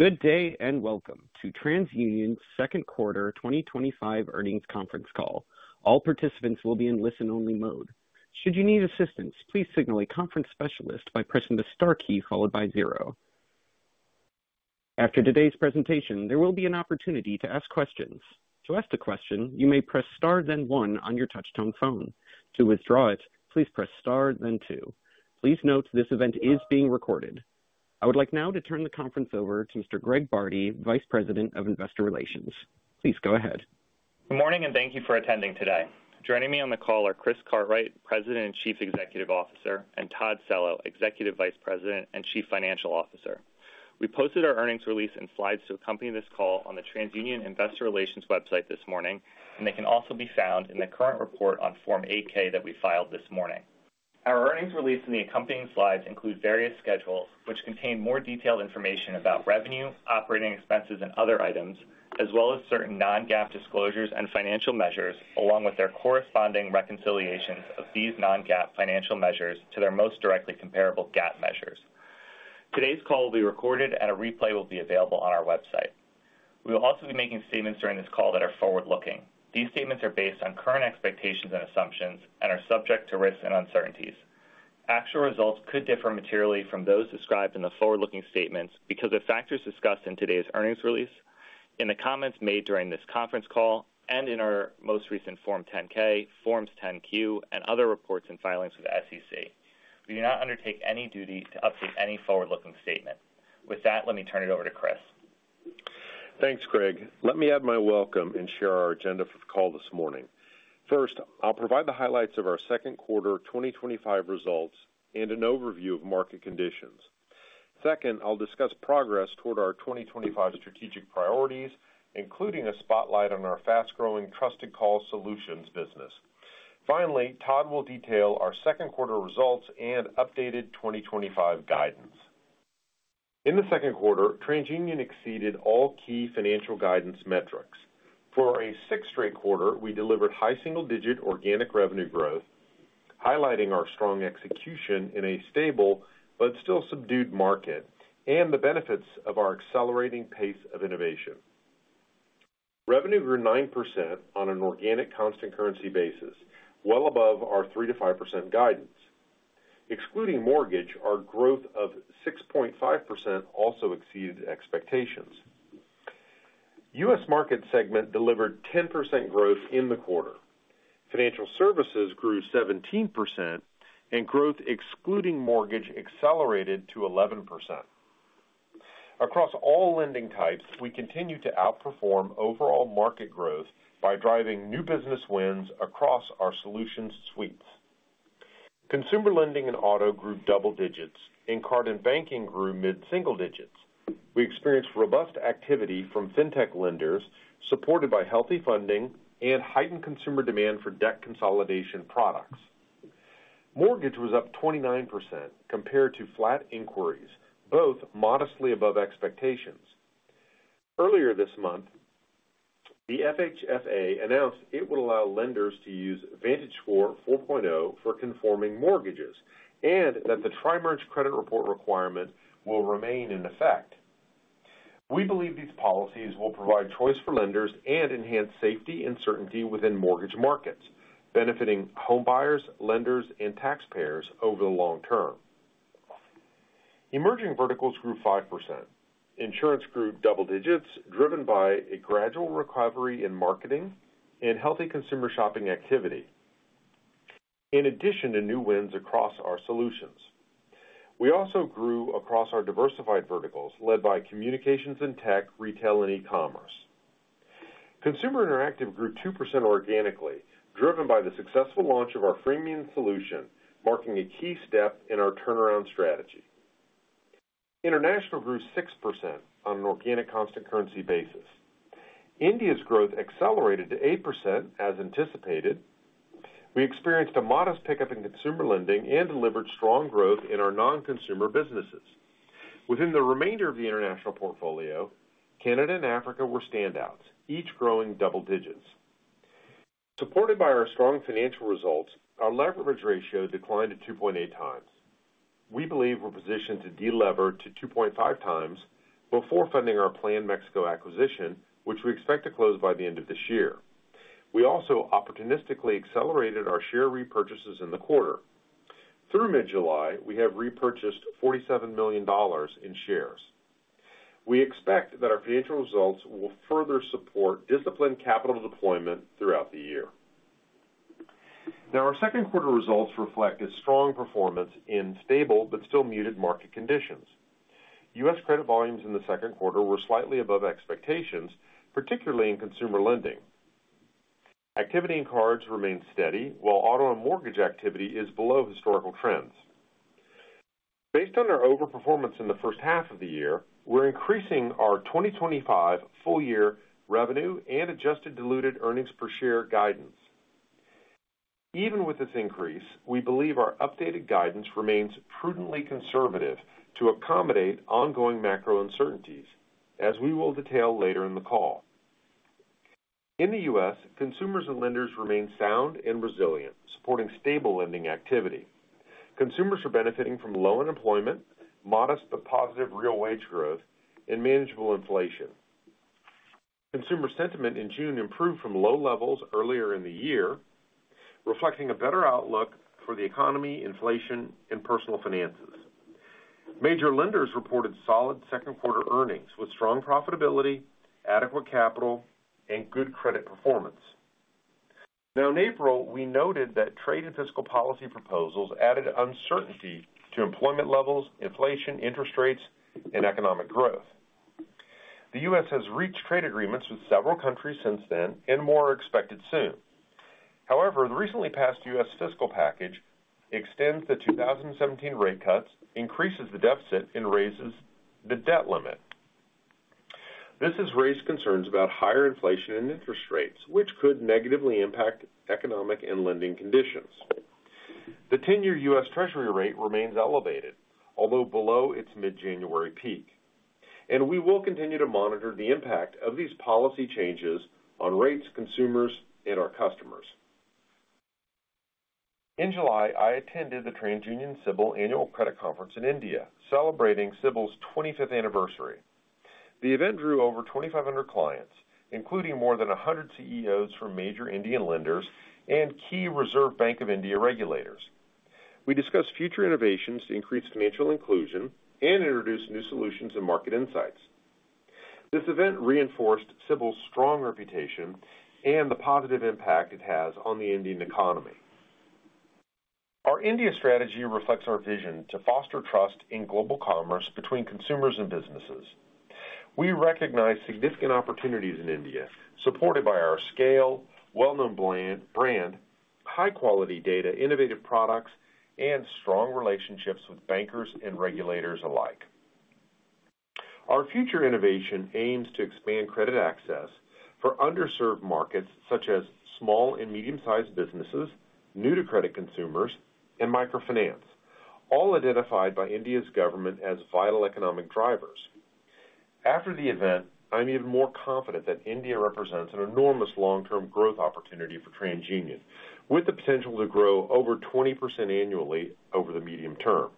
Good day and welcome to TransUnion's Second Quarter 2025 Earnings Conference Call. All participants will be in listen only mode. Should you need assistance, please signal a conference specialist by pressing the star key followed by zero. After today's presentation there will be an opportunity to ask questions. To ask the question, you may press star then one on your touchtone phone. To withdraw it, please press star then two. Please note this event is being recorded. I would like now to turn the conference over to Mr. Greg Bardi, Vice President of Investor Relations. Please go ahead. Good morning and thank you for attending today. Joining me on the call are Chris Cartwright, President and Chief Executive Officer and Todd Cello, Executive Vice President and Chief Financial Officer. We posted our earnings release and slides to accompany this call on the TransUnion investor relations website this morning and they can also be found in the current report on Form 8-K that we filed this morning. Our earnings release and the accompanying slides include various schedules which contain more detailed information about revenue, operating expenses and other items, as well as certain non-GAAP disclosures and financial measures along with their corresponding reconciliations of these non-GAAP financial measures to their most directly comparable GAAP measures. Today's call will be recorded and a replay will be available on our website. We will also be making statements during this call that are forward looking. These statements are based on current expectations and assumptions and are subject to risks and uncertainties. Actual results could differ materially from those described in the forward looking statements because of factors discussed in today's earnings release, in the comments made during this conference call and in our most recent Form 10-K, Forms 10-Q and other reports and filings with the SEC. We do not undertake any duty to update any forward looking statement. With that, let me turn it over to Chris. Thanks, Greg. Let me add my welcome and share our agenda for the call this morning. First, I'll provide the highlights of our second quarter 2025 results and an overview of market conditions. Second, I'll discuss progress toward our 2025 strategic priorities including a spotlight on our fast-growing Trusted Call Solutions business. Finally, Todd will detail our second quarter results and updated 2025 guidance. In the second quarter, TransUnion exceeded all key financial guidance metrics. For a sixth straight quarter, we delivered high single-digit organic revenue growth, highlighting our strong execution in a stable but still subdued market and the benefits of our accelerating pace of innovation. Revenue grew 9% on an organic constant currency basis, well above our 3-5% guidance. Excluding mortgage, our growth of 6.5% also exceeded expectations. U.S. market segment delivered 10% growth in the quarter. Financial services grew 17% and growth excluding mortgage accelerated to 11% across all lending types. We continue to outperform overall market growth by driving new business wins across our solutions suites. Consumer lending and auto grew double digits and card and banking grew mid single digits. We experienced robust activity from fintech lenders supported by healthy funding and heightened consumer demand for debt consolidation products. Mortgage was up 29% compared to flat inquiries, both modestly above expectations. Earlier this month, the FHFA announced it would allow lenders to use VantageScore 4.0 for conforming mortgages and that the tri-merge credit report requirement will remain in effect. We believe these policies will provide choice for lenders and enhance safety and certainty within mortgage markets, benefiting home buyers, lenders, and taxpayers over the long term. Emerging verticals grew 5%. Insurance grew double-digits driven by a gradual recovery in marketing and healthy consumer shopping activity. In addition to new wins across our solutions, we also grew across our diversified verticals led by communications and tech, retail, and e-commerce. Consumer Interactive grew 2% organically, driven by the successful launch of our freemium solution, marking a key step in our turnaround strategy. International grew 6% on an organic constant currency basis. India's growth accelerated to 8%. As anticipated, we experienced a modest pickup in consumer lending and delivered strong growth in our non-consumer businesses. Within the remainder of the international portfolio, Canada and Africa were standouts, each growing double-digits. Supported by our strong financial results, our leverage ratio declined to 2.8x. We believe we're positioned to delever to 2.5x before funding our planned México acquisition, which we expect to close by the end of this year. We also opportunistically accelerated our share repurchases. In the quarter through mid-July, we have repurchased $47 million in shares. We expect that our financial results will further support disciplined capital deployment throughout the year. Now, our second quarter results reflect a strong performance in stable but still muted market conditions. U.S. credit volumes in the second quarter were slightly above expectations, particularly in consumer lending. Activity in cards remained steady while auto and mortgage activity is below historical trends. Based on our overperformance in the first half of the year, we're increasing our 2025 full year revenue and adjusted diluted earnings per share guidance. Even with this increase, we believe our updated guidance remains prudently conservative to accommodate ongoing macro uncertainty, as we will detail later in the call. In the U.S., consumers and lenders remain sound and resilient, supporting stable lending activity. Consumers are benefiting from low unemployment, modest but positive real wage growth, and manageable inflation. Consumer sentiment in June improved from low levels earlier in the year, reflecting a better outlook for the economy, inflation, and personal finances. Major lenders reported solid second quarter earnings with strong profitability, adequate capital, and good credit performance. In April, we noted that trade and fiscal policy proposals added uncertainty to employment levels, inflation, interest rates, and economic growth. The U.S. has reached trade agreements with several countries since then and more are expected soon. However, the recently passed U.S. fiscal package extends the 2017 rate cuts, increases the deficit, and raises the debt limit. This has raised concerns about higher inflation and interest rates, which could negatively impact economic and lending conditions. The 10-year U.S. Treasury rate remains elevated, although below its mid January peak, and we will continue to monitor the impact of these policy changes on rates, consumers, and our customers. In July, I attended the TransUnion CIBIL Annual Credit Conference in India celebrating CIBIL's 25th anniversary. The event drew over 2,500 clients, including more than 100 CEOs from major Indian lenders and key Reserve Bank of India regulators. We discussed future innovations to increase financial inclusion and introduced new solutions and market insights. This event reinforced CIBIL's strong reputation and the positive impact it has on the Indian economy. Our India strategy reflects our vision to foster trust in global commerce between consumers and businesses. We recognize significant opportunities in India supported by our scale, well-known brand, high quality data, innovative products, and strong relationships with bankers and regulators alike. Our future innovation aims to expand credit access for underserved markets such as small and medium-sized businesses new to credit, consumers, and microfinance, all identified by India's government as vital economic drivers. After the event, I'm even more confident that India represents an enormous long term growth opportunity for TransUnion with the potential to grow over 20% annually over the medium term.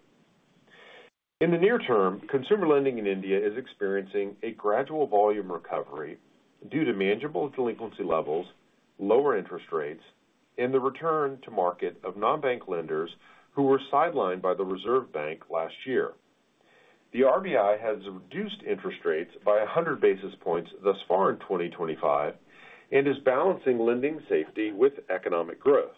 In the near term, consumer lending in India is experiencing a gradual volume recovery due to manageable delinquency levels, lower interest rates, and the return to market of non-bank lenders who were sidelined by the Reserve Bank last year. The RBI has reduced interest rates by 100 basis points thus far in 2025 and is balancing lending safety with economic growth.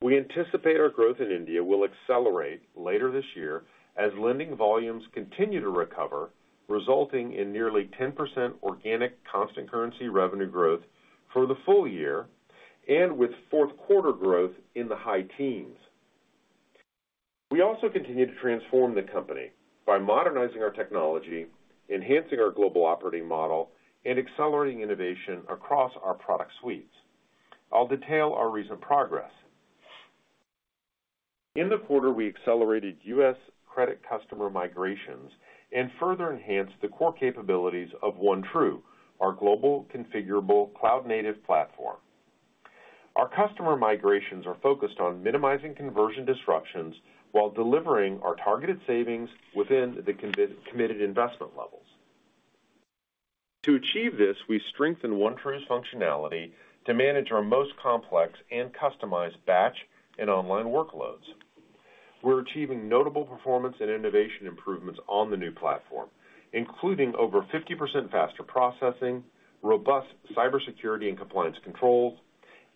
We anticipate our growth in India will accelerate later this year as lending volumes continue to recover, resulting in nearly 10% organic constant currency revenue growth for the full year and with fourth quarter growth in the high teens. We also continue to transform the company by modernizing our technology, enhancing our global operating model, and accelerating innovation across our product suites. I'll detail our recent progress. In the. Quarter we accelerated U.S. Credit customer migrations and further enhanced the core capabilities of OneTru, our global configurable cloud-native platform. Our customer migrations are focused on minimizing conversion disruptions while delivering our targeted savings within the committed investment levels. To achieve this, we strengthened OneTru's functionality to manage our most complex and customized batch and online workloads. We're achieving notable performance and innovation improvements on the new platform including over 50% faster processing, robust cybersecurity and compliance controls,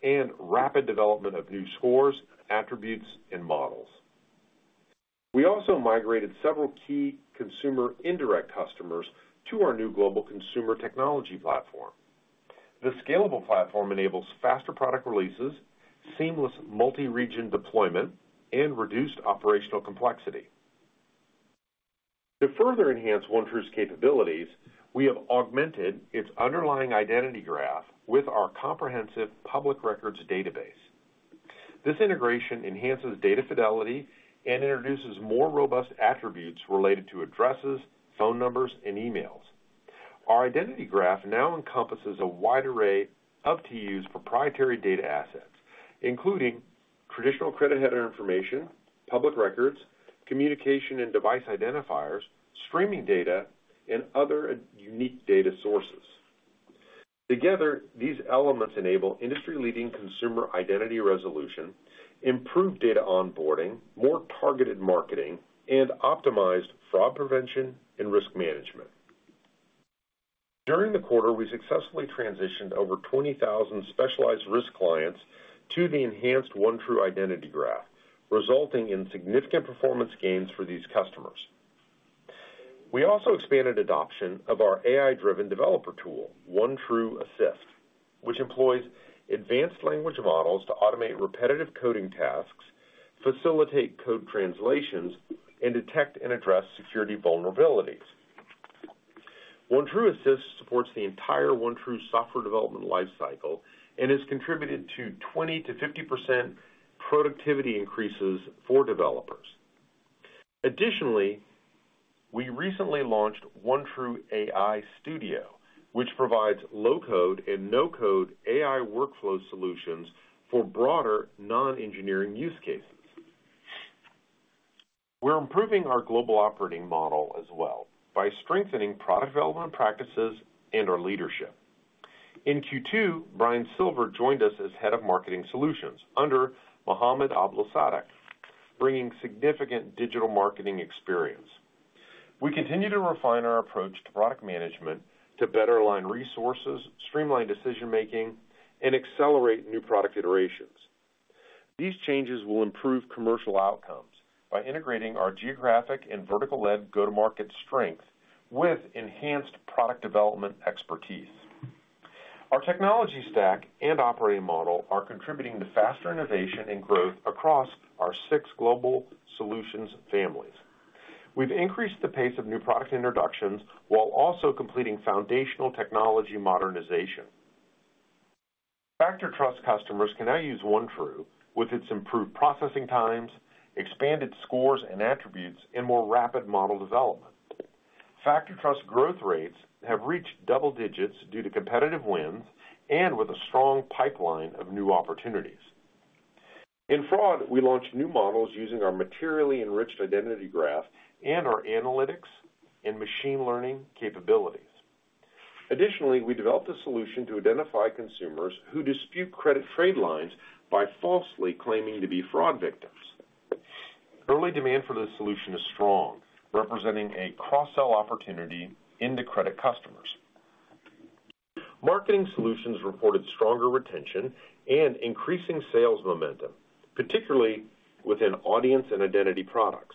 and rapid development of new scores, attributes, and models. We also migrated several key consumer indirect customers to our new global consumer technology platform. This scalable platform enables faster product releases, seamless multi-region deployment, and reduced operational complexity. To further enhance OneTru's capabilities, we have augmented its underlying identity graph with our comprehensive public records database. This integration enhances data fidelity and introduces more robust attributes related to addresses, phone numbers, and emails. Our identity graph now encompasses a wide array of TU's proprietary data assets including traditional credit header information, public records, communication and device identifiers, streaming data, and other unique data sources. Together, these elements enable industry-leading consumer identity resolution, improved data onboarding, more targeted marketing, and optimized fraud prevention and risk management. During the quarter, we successfully transitioned over 20,000 specialized risk clients to the enhanced OneTru identity graph, resulting in significant performance gains for these customers. We also expanded adoption of our AI-driven developer tool OneTru Assist, which employs advanced language models to automate repetitive coding tasks, facilitate code translations, and detect and address security vulnerabilities. OneTru Assist supports the entire OneTru software development lifecycle and has contributed to 20-50% productivity increases for developers. Additionally, we recently launched OneTru AI Studio which provides low-code and no-code AI workflow solutions for broader non-engineering use cases. We're improving our global operating model as well by strengthening product development practices and our leadership in Q2. Brian Silver joined us as Head of Marketing Solutions under Mohamed Abdelsadek, bringing significant digital marketing experience. We continue to refine our approach to product management to better align resources, streamline decision making, and accelerate new product iterations. These changes will improve commercial outcomes by integrating our geographic and vertical-led go-to-market strength with enhanced product development expertise. Our technology stack and operating model are contributing to faster innovation and growth across our six global solutions families. We've increased the pace of new product introductions while also completing foundational technology modernization. FactorTrust customers can now use OneTru. With its improved processing times, expanded scores and attributes, and more rapid model development, FactorTrust's growth rates have reached double-digits due to competitive wins and with a strong pipeline of new opportunities in fraud. We launched new models using our materially enriched identity graph and our analytics and machine learning capabilities. Additionally, we developed a solution to identify consumers who dispute credit trade lines by falsely claiming to be fraud victims. Early demand for this solution is strong, representing a cross sell opportunity into credit customers. Marketing Solutions reported stronger retention and increasing sales momentum, particularly within audience and identity products.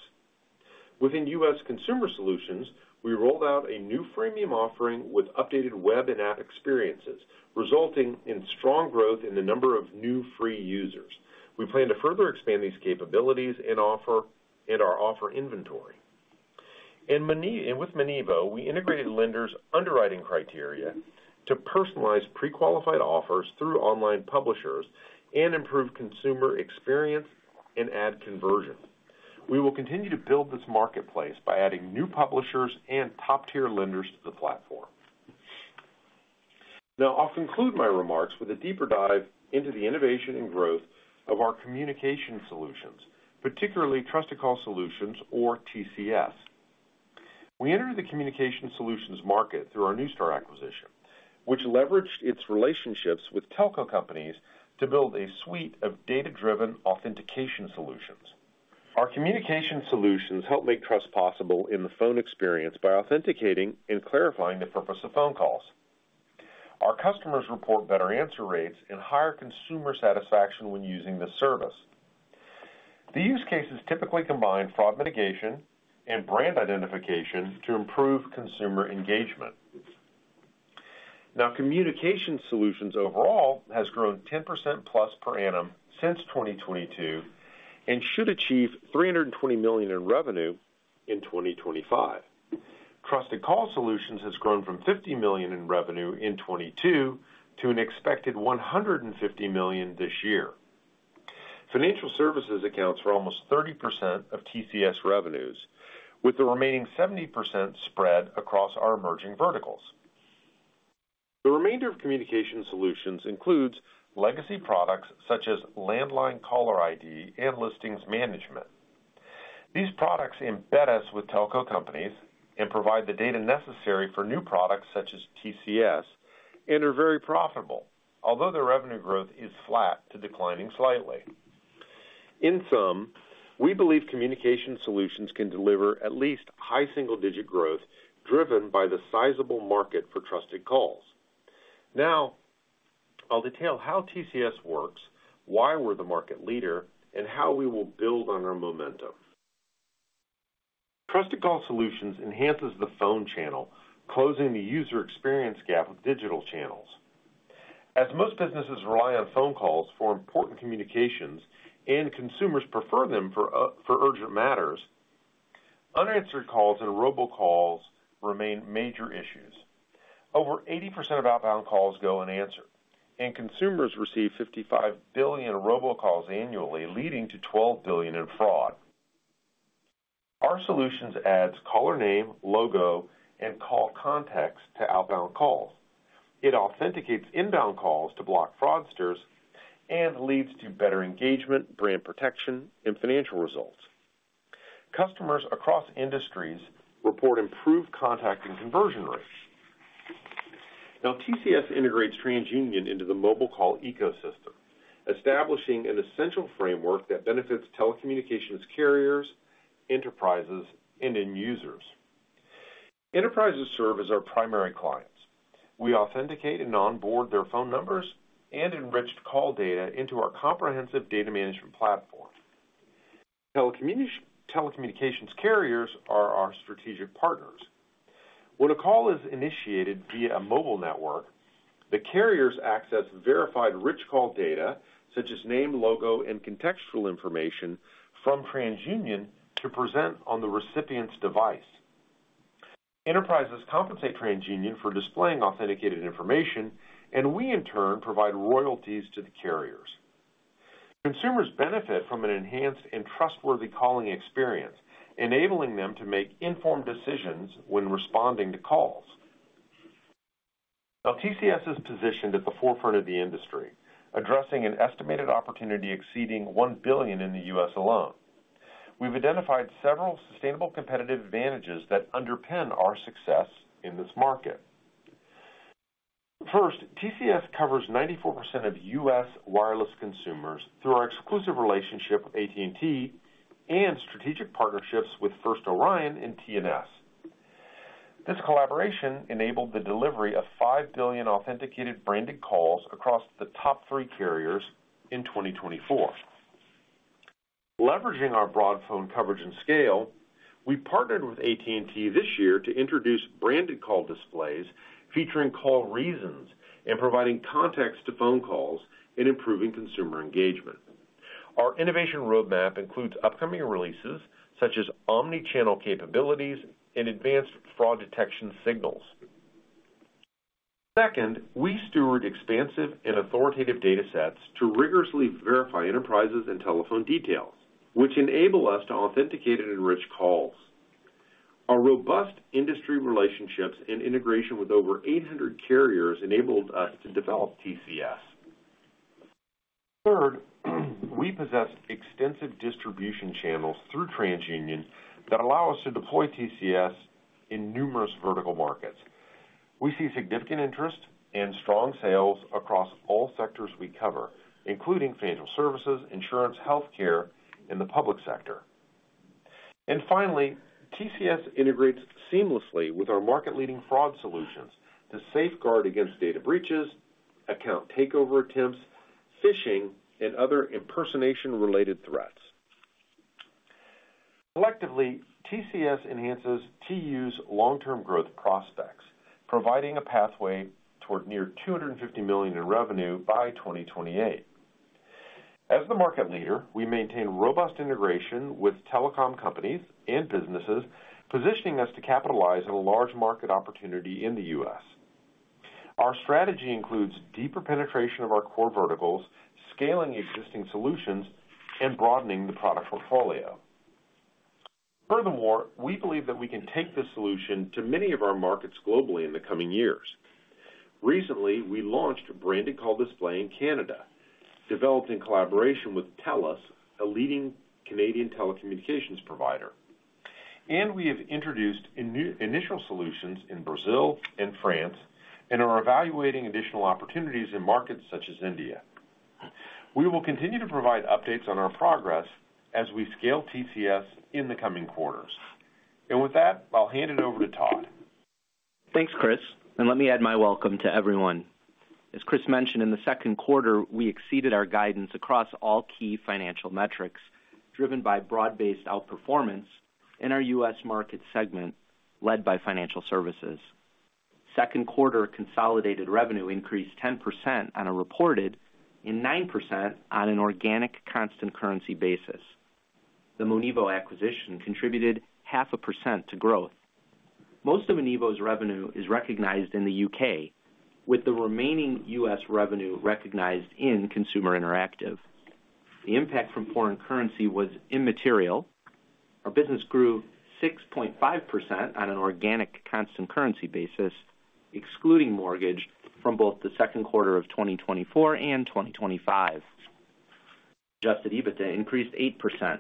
Within U.S. Consumer Solutions we rolled out a new freemium offering with updated web and app experiences, resulting in strong growth in the number of new free users. We plan to further expand these capabilities and our offer inventory with Monevo. We integrated lenders' underwriting criteria to personalize prequalified offers through online publishers and improve consumer experience and ad conversion. We will continue to build this marketplace by adding new publishers and top tier lenders to the platform. Now I'll conclude my remarks with a deeper dive into the innovation and growth of our Communication Solutions, particularly Trusted Call Solutions or TCS. We entered the Communication Solutions market through our Neustar acquisition, which leveraged its relationships with telco companies to build a suite of data driven authentication solutions. Our Communication Solutions help make trust possible in the phone experience by authenticating and clarifying the purpose of phone calls. Our customers report better answer rates and higher consumer satisfaction when using this service. The use cases typically combine fraud mitigation and brand identification to improve consumer engagement. Now, Communication Solutions overall has grown 10%+ per annum since 2022 and should achieve $320 million in revenue in 2025. Trusted Call Solutions has grown from $50 million in revenue in 2022 to an expected $150 million this year. Financial Services accounts for almost 30% of TCS revenues, with the remaining 70% spread across our Emerging Verticals. The remainder of Communication Solutions includes legacy products such as landline, caller ID, and listings management. These products embed us with telco companies and provide the data necessary for new products such as TCS and are very profitable, although their revenue growth is flat to declining slightly. In sum, we believe Communication Solutions can deliver at least high single-digit growth driven by the sizable market for trusted calls. Now I'll detail how TCS works, why we're the market leader, and how we will build on our momentum. Trusted Call Solutions enhances the phone channel, closing the user experience gap of digital channels as most businesses rely on phone calls for important communications and consumers prefer them for urgent matters. Unanswered calls and robocalls remain major issues. Over 80% of outbound calls go unanswered and consumers receive 55 billion robocalls annually, leading to $12 billion in fraud. Our solutions add caller name, logo, and call context to outbound calls. It authenticates inbound calls to block fraudsters and leads to better engagement, brand protection, and financial results. Customers across industries report improved contact and conversion rates. Now TCS integrates TransUnion into the mobile call ecosystem, establishing an essential framework that benefits telecommunications carriers, enterprises, and end users. Enterprises serve as our primary clients. We authenticate and onboard their phone numbers and enriched call data into our comprehensive data management platform. Telecommunications carriers are our strategic partners. When a call is initiated via a mobile network, the carriers access verified rich call data such as name, logo and contextual information from TransUnion to present on the recipient's device. Enterprises compensate TransUnion for displaying authenticated information and we in turn provide royalties to the carriers. Consumers benefit from an enhanced and trustworthy calling experience, enabling them to make informed decisions when responding to calls. Now TCS is positioned at the forefront of the industry, addressing an estimated opportunity exceeding $1 billion in the U.S. alone. We've identified several sustainable competitive advantages that underpin our success in this market. First, TCS covers 94% of U.S. wireless consumers through our exclusive relationship with AT&T and strategic partnerships with First Orion and TNS. This collaboration enabled the delivery of 5 billion authenticated branded calls across the top 3 carriers in 2024. Leveraging our broad phone coverage and scale, we partnered with AT&T this year to introduce branded call displays featuring call reasons and providing context to phone calls and improving consumer engagement. Our innovation roadmap includes upcoming releases such as Omnichannel Capabilities and Advanced Fraud Detection Signals. Second, we steward expansive and authoritative data sets to rigorously verify enterprises and telephone details which enable us to authenticate and enrich calls. Our robust industry relationships and integration with over 800 carriers enabled us to develop TCS. Third, we possess extensive distribution channels through TransUnion that allow us to deploy TCS in numerous vertical markets. We see significant interest and strong sales across all sectors we cover, including financial services, insurance, healthcare and the public sector. Finally, TCS integrates seamlessly with our market leading fraud solutions to safeguard against data breaches, account takeover attempts, phishing and other impersonation-related threats. Collectively, TCS enhances TU's long term growth prospects, providing a pathway toward near $250 million in revenue by 2028. As the market leader, we maintain robust integration with telecom companies and businesses, positioning us to capitalize on a large market opportunity in the U.S. Our strategy includes deeper penetration of our core verticals and scaling existing solutions and broadening the product portfolio. Furthermore, we believe that we can take this solution to many of our markets globally in the coming years. Recently, we launched branded call display in Canada, developed in collaboration with TELU.S., a leading Canadian telecommunications provider, and we have introduced initial solutions in Brazil and France and are evaluating additional opportunities in markets such as India. We will continue to provide updates on our progress as we scale TCS in the coming quarters and with that I'll hand it over to Todd. Thanks Chris and let me add my welcome to everyone. As Chris mentioned, in the second quarter we exceeded our guidance across all key financial metrics driven by broad-based outperformance in our U.S. market segment led by financial services. Second quarter consolidated revenue increased 10% on a reported and 9% on an organic constant currency basis. The Monevo acquisition contributed 0.5% to growth. Most of Monevo's revenue is recognized in the U.K. with the remaining U.S. revenue recognized in Consumer Interactive. The impact from foreign currency was immaterial. Our business grew 6.5% on an organic constant currency basis excluding mortgage. From both the second quarter of 2024 and 2025, adjusted EBITDA increased 8%.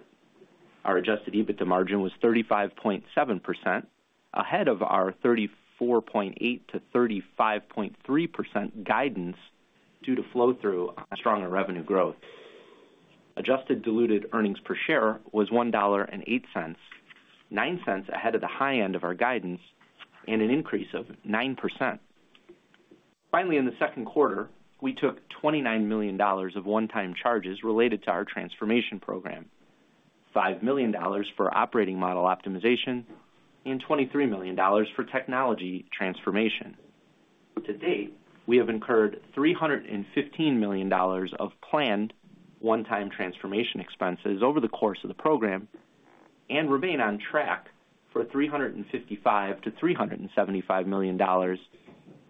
Our adjusted EBITDA margin was 35.7%, ahead of our 34.8%-35.3% guidance due to flow through stronger revenue growth. Adjusted diluted earnings per share was $1.08, $0.09 ahead of the high end of our guidance and an increase of 9%. Finally, in the second quarter we took $29 million of one-time charges related to our transformation program, $5 million for operating model optimization and $23 million for technology transformation. To date we have incurred $315 million of planned one-time transformation expenses over the course of the program and remain on track for $355 million-$375 million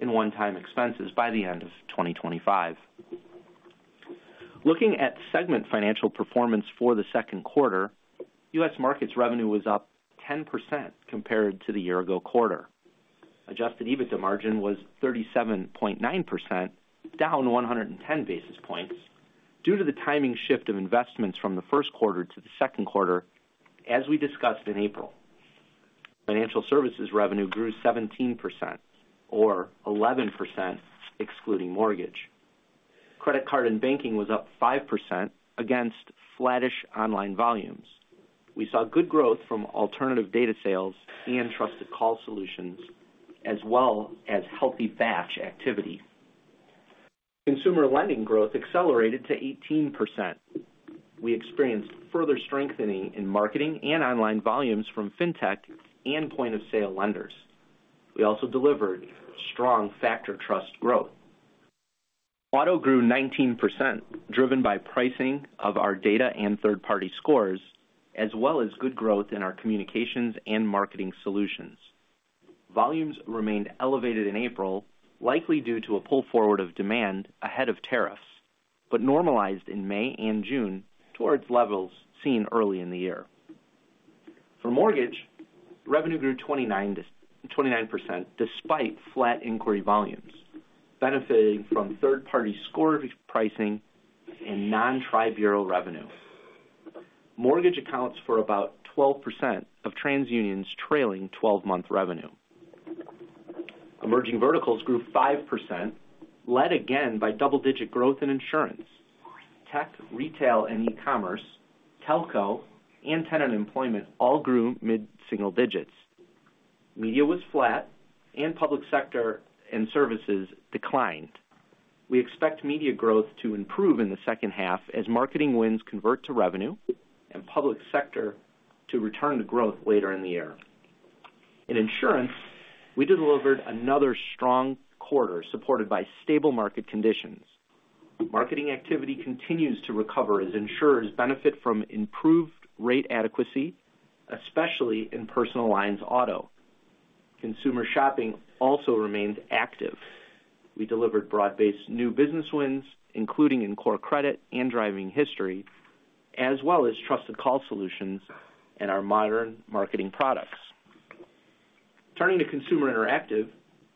in one-time expenses by the end of 2025. Looking at segment financial performance for the second quarter, U.S. markets revenue was up 10% compared to the year-ago quarter. Adjusted EBITDA margin was 37.9%, down 110 basis points due to the timing shift of investments from the first quarter to the second quarter. As we discussed in April, financial services revenue grew 17% or 11% excluding mortgage, credit card and banking was up 5%. Against flattish online volumes, we saw good growth from alternative data sales and Trusted Call Solutions as well as healthy batch activity. Consumer lending growth accelerated to 18%. We experienced further strengthening in marketing and online volumes from FinTech and point of sale lenders. We also delivered strong FactorTrust growth. Auto grew 19% driven by pricing of our data and third-party scores as well as good growth in our communications and marketing solutions. Volumes remained elevated in April likely due to a pull forward of demand ahead of tariffs, but normalized in May and June towards levels seen early in the year. For mortgage, revenue grew 29% despite flat inquiry volumes, benefiting from third-party score pricing and non-tri-bureau revenue. Mortgage accounts for about 12% of TransUnion's trailing 12-month revenue. Emerging verticals grew 5% led again by double-digit growth in insurance, tech, retail and e-commerce. Telco and tenant employment all grew mid-single digits. Media was flat and public sector and services declined. We expect media growth to improve in the second half as marketing wins convert to revenue and public sector to return to growth later in the year. In insurance we delivered another strong quarter supported by stable market conditions. Marketing activity continues to recover as insurers benefit from improved rate adequacy especially in personal lines. Auto consumer shopping also remained active. We delivered broad-based new business wins including in core credit and driving history as well as Trusted Call Solutions and our modern marketing products. Turning to Consumer Interactive,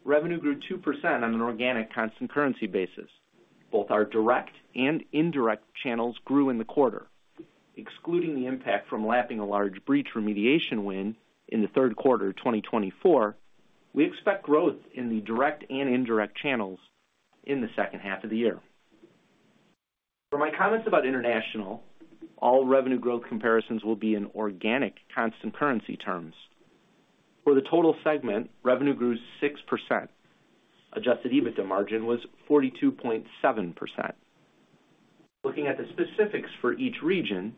revenue grew 2% on an organic constant currency basis. Both our direct and indirect channels grew in the quarter excluding the impact from lapping a large breach remediation win in the third quarter 2024. We expect growth in the direct and indirect channels in the second half of the year. For my comments about International, all revenue growth comparisons will be in organic constant currency terms. For the total segment, revenue grew 6%, adjusted EBITDA margin was 42.7%. Looking at the specifics for each region,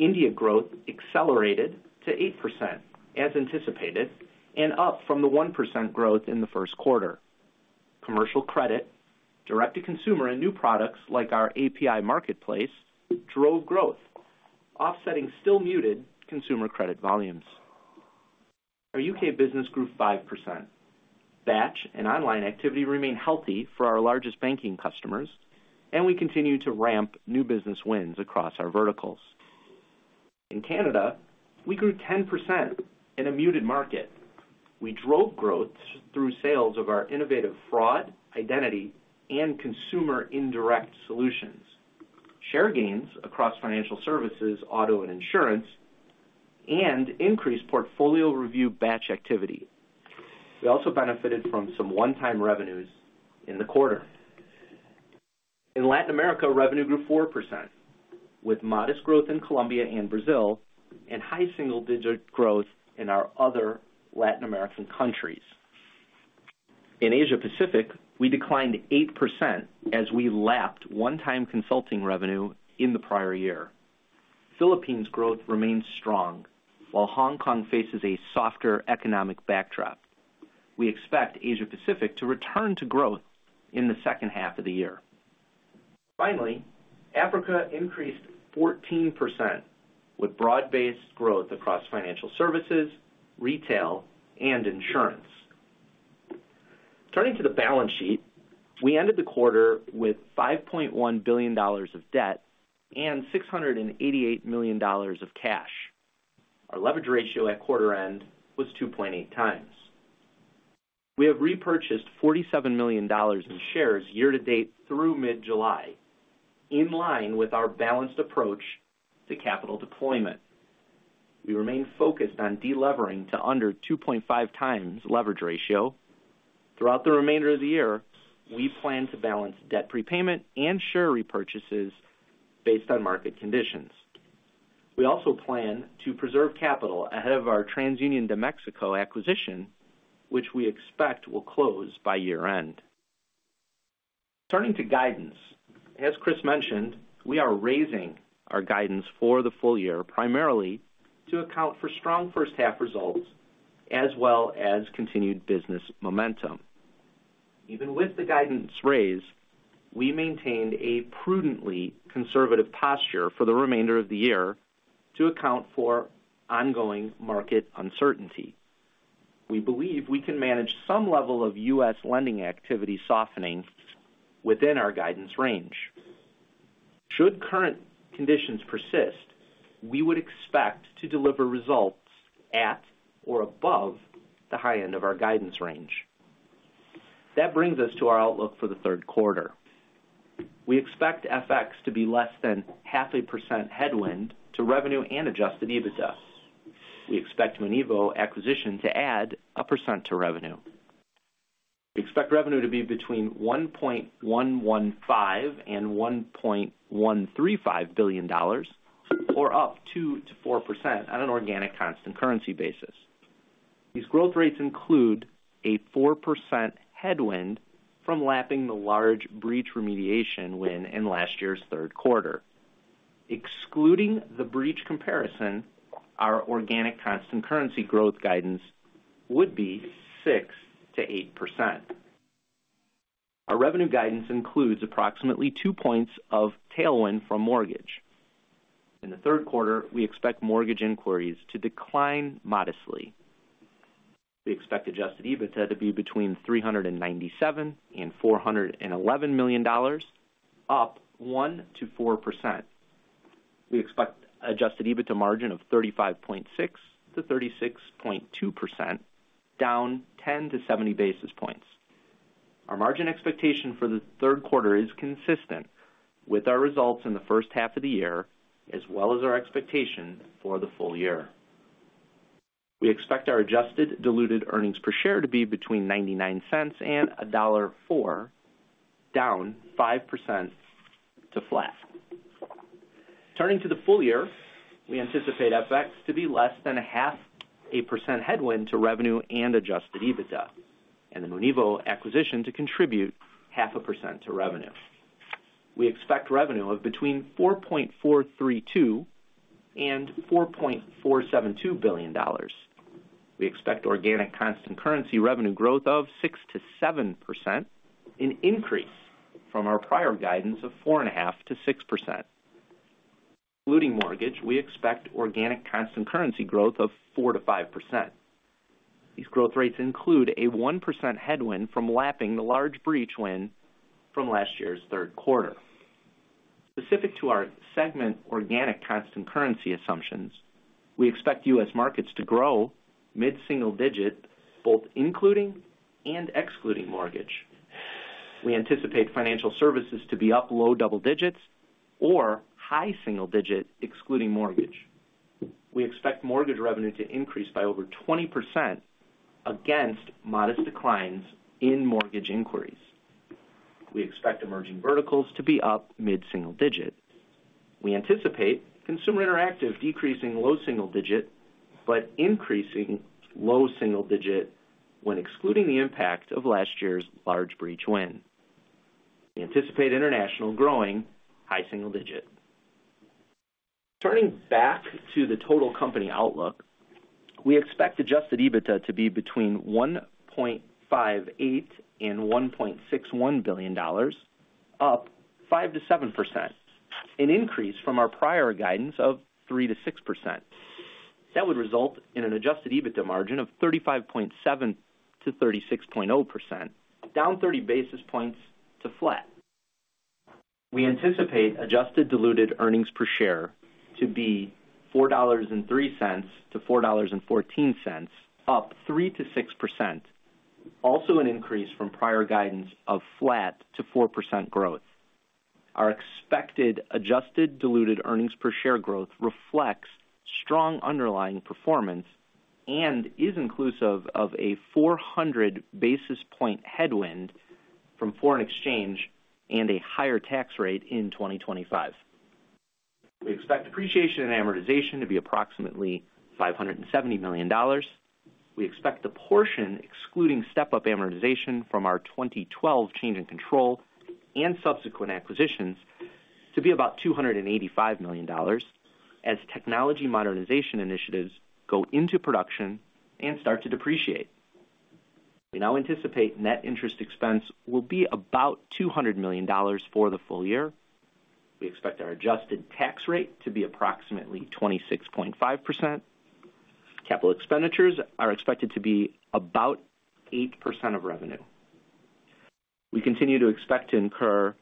India growth accelerated to 8% as anticipated and up from the 1% growth in the first quarter. Commercial credit, direct to consumer and new products like our API marketplace drove growth, offsetting still muted consumer credit volumes. Our U.K. business grew 5%. Batch and online activity remain healthy for our largest banking customers and we continue to ramp new business wins across our verticals. In Canada, we grew 10% in a muted market. We drove growth through sales of our innovative fraud, identity and consumer indirect solutions, share gains across financial services, auto and insurance, and increased portfolio review batch activity. We also benefited from some one-time revenues in the quarter. In Latin America, revenue grew 4% with modest growth in Colombia and Brazil and high single-digit growth in our other Latin American countries. In Asia Pacific, we declined 8% as we lapped one-time consulting revenue in the prior year. Philippines growth remains strong while Hong Kong faces a softer economic backdrop. We expect Asia Pacific to return to growth in the second half of the year. Finally, Africa increased 14% with broad-based growth across financial services, retail and insurance. Turning to the balance sheet, we ended the quarter with $5.1 billion of debt and $688 million of cash. Our leverage ratio at quarter end was 2.8x. We have repurchased $47 million in shares year-to-date through mid-July. In line with our balanced approach to capital deployment, we remain focused on delevering to under 2.5x leverage ratio throughout the remainder of the year. We plan to balance debt prepayment and share repurchases based on market conditions. We also plan to preserve capital ahead of our TransUnion de México acquisition which we expect will close by year end. Turning to guidance, as Chris mentioned, we are raising our guidance for the full year primarily to account for strong first half results as well as continued business momentum. Even with the guidance raised, we maintained a prudently conservative posture for the remainder of the year to account for ongoing market uncertainty. We believe we can manage some level of U.S. lending activity softening within our guidance range. Should current conditions persist, we would expect to deliver results at or above the high end of our guidance range. That brings us to our outlook for the third quarter. We expect FX to be less than 0.5% headwind to revenue and adjusted EBITDA. We expect the Monevo acquisition to add 1% to revenue. We expect revenue to be between $1.115 billion and $1.135 billion, or up 2%-4% on an organic constant currency basis. These growth rates include a 4% headwind from lapping the large breach remediation win in last year's third quarter. Excluding the breach comparison, our organic constant currency growth guidance would be 6%-8%. Our revenue guidance includes approximately 2 points of tailwind from mortgage in the third quarter. We expect mortgage inquiries to decline modestly. We expect adjusted EBITDA to be between $397 million and $411 million, up 1%-4%. We expect adjusted EBITDA margin of 35.6%-36.2%, down 10 basis points-70 basis points. Our margin expectation for the third quarter is consistent with our results in the first half of the year as well as our expectation for the full year. We expect our adjusted diluted earnings per share to be between $0.99 and $1.04, down 5% to flat. Turning to the full year, we anticipate FX to be less than 0.5% headwind to revenue and adjusted EBITDA and the Monevo acquisition to contribute 0.5% to revenue. We expect revenue of between $4.432 billion and $4.472 billion. We expect organic constant currency revenue growth of 6%-7%, an increase from our prior guidance of 4.5%-6%. Excluding mortgage, we expect organic constant currency growth of 4%-5%. These growth rates include a 1% headwind from lapping the large breach win from last year's third quarter. Specific to our segment organic constant currency assumptions, we expect U.S. Markets to grow mid-single digit both including and excluding mortgage. We anticipate financial services to be up low-double digits or high-single digit. Excluding mortgage, we expect mortgage revenue to increase by over 20%. Against modest declines in mortgage inquiries, we expect Emerging Verticals to be up mid-single digit. We anticipate Consumer Interactive decreasing low-single digit but increasing low-single digit. When excluding the impact of last year's large breach win, we anticipate international growing high-single digit. Turning back to the total company outlook, we expect adjusted EBITDA to be between $1.58 billion and $1.61 billion, up 5%-7%, an increase from our prior guidance of 3%-6%. That would result in an adjusted EBITDA margin of 35.7%-36.0%, down 30 basis points to flat. We anticipate adjusted diluted earnings per share to be $4.03-$4.14, up 3%-6%. Also an increase from prior guidance of flat to 4% growth. Our expected adjusted diluted earnings per share growth reflects strong underlying performance and is inclusive of a 400 basis point headwind from foreign exchange and a higher tax rate. In 2025. We expect depreciation and amortization to be approximately $570 million. We expect the portion excluding step up amortization from our 2012 change in control and subsequent acquisitions to be about $285 million. As technology modernization initiatives go into production and start to depreciate, we now anticipate net interest expense will be about $200 million for the full year. We expect our adjusted tax rate to be approximately 26.5%. Capital expenditures are expected to be about 8% of revenue. We continue to expect to incur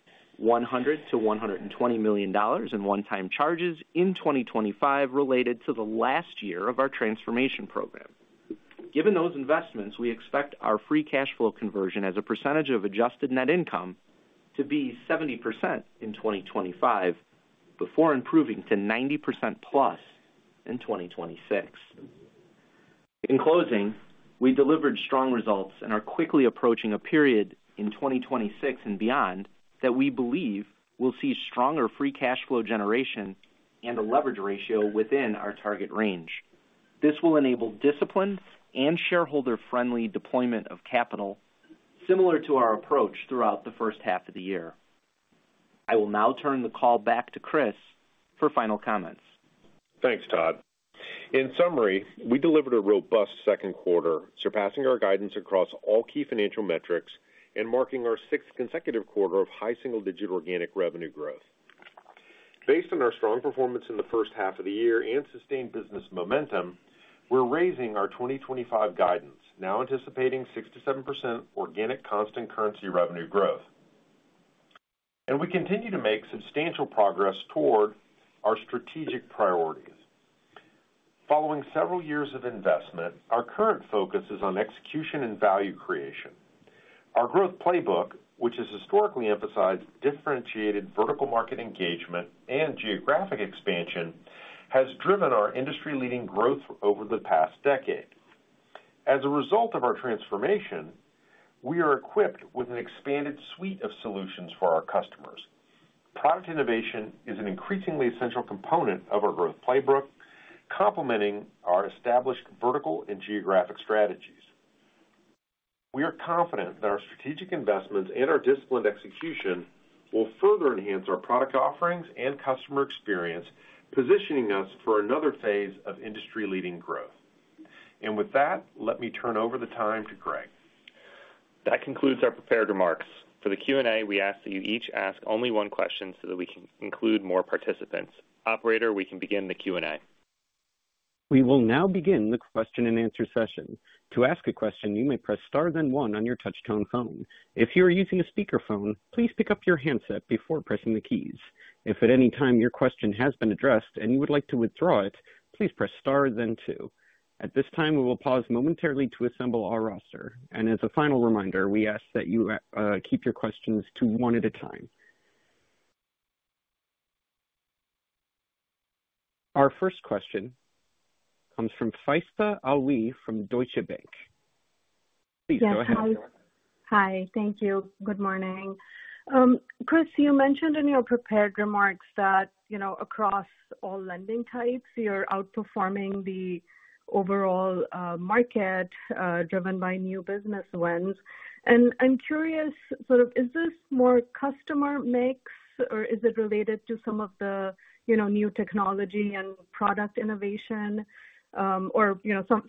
$100 million-$120 million in one time charges in 2025 related year of our transformation program. Given those investments, we expect our free cash flow conversion as a percentage of adjusted net income to be 70% in 2025 before improving to 90%+ in 2026. In closing, we delivered strong results and are quickly approaching a period in 2026 and beyond that we believe will see stronger free cash flow generation and a leverage ratio within our target range. This will enable disciplined and shareholder friendly deployment of capital similar to our approach throughout the first half of the year. I will now turn the call back to Chris for final comments. Thanks Todd. In summary, we delivered a robust second quarter, surpassing our guidance across all key financial metrics and marking our sixth consecutive quarter of high-single digit organic revenue growth. Based on our strong performance in the first half of the year and sustained business momentum, we're raising our 2025 guidance now, anticipating 6%-7% organic constant currency revenue growth, and we continue to make substantial progress toward our strategic priorities following several years of investment. Our current focus is on execution and value creation. Our growth playbook, which has historically emphasized differentiated vertical market engagement and geographic expansion, has driven our industry leading growth over the past decade. As a result of our transformation, we are equipped with an expanded suite of solutions for our customers. Product innovation is an increasingly essential component of our growth playbook, complementing our established components vertical and geographic strategies. We are confident that our strategic investments and our disciplined execution will further enhance our product offerings and customer experience, positioning us for another phase of industry leading growth. Let me turn over the time to Greg. That concludes our prepared remarks for the Q&A. We ask that you each ask only one question so that we can include more participants. Operator, we can begin the Q&A. We will now begin the question and answer session. To ask a question, you may press star then one on your touchtone phone. If you are using a speakerphone, please pick up your handset before pressing the keys. If at any time your question has been addressed and you would like to withdraw it, please press star then two. At this time, we will pause momentarily to assemble our roster. As a final reminder, we ask that you keep your questions to one at a time. Our first question comes from Faiza Alwy from Deutsche Bank. Please go ahead. Hi. Thank you. Good morning. Chris, you mentioned in your prepared remarks that across all lending types you're outperforming the overall market driven by new business wins. I'm curious, is this more customer mix or is it related to some of the new technology and product innovation or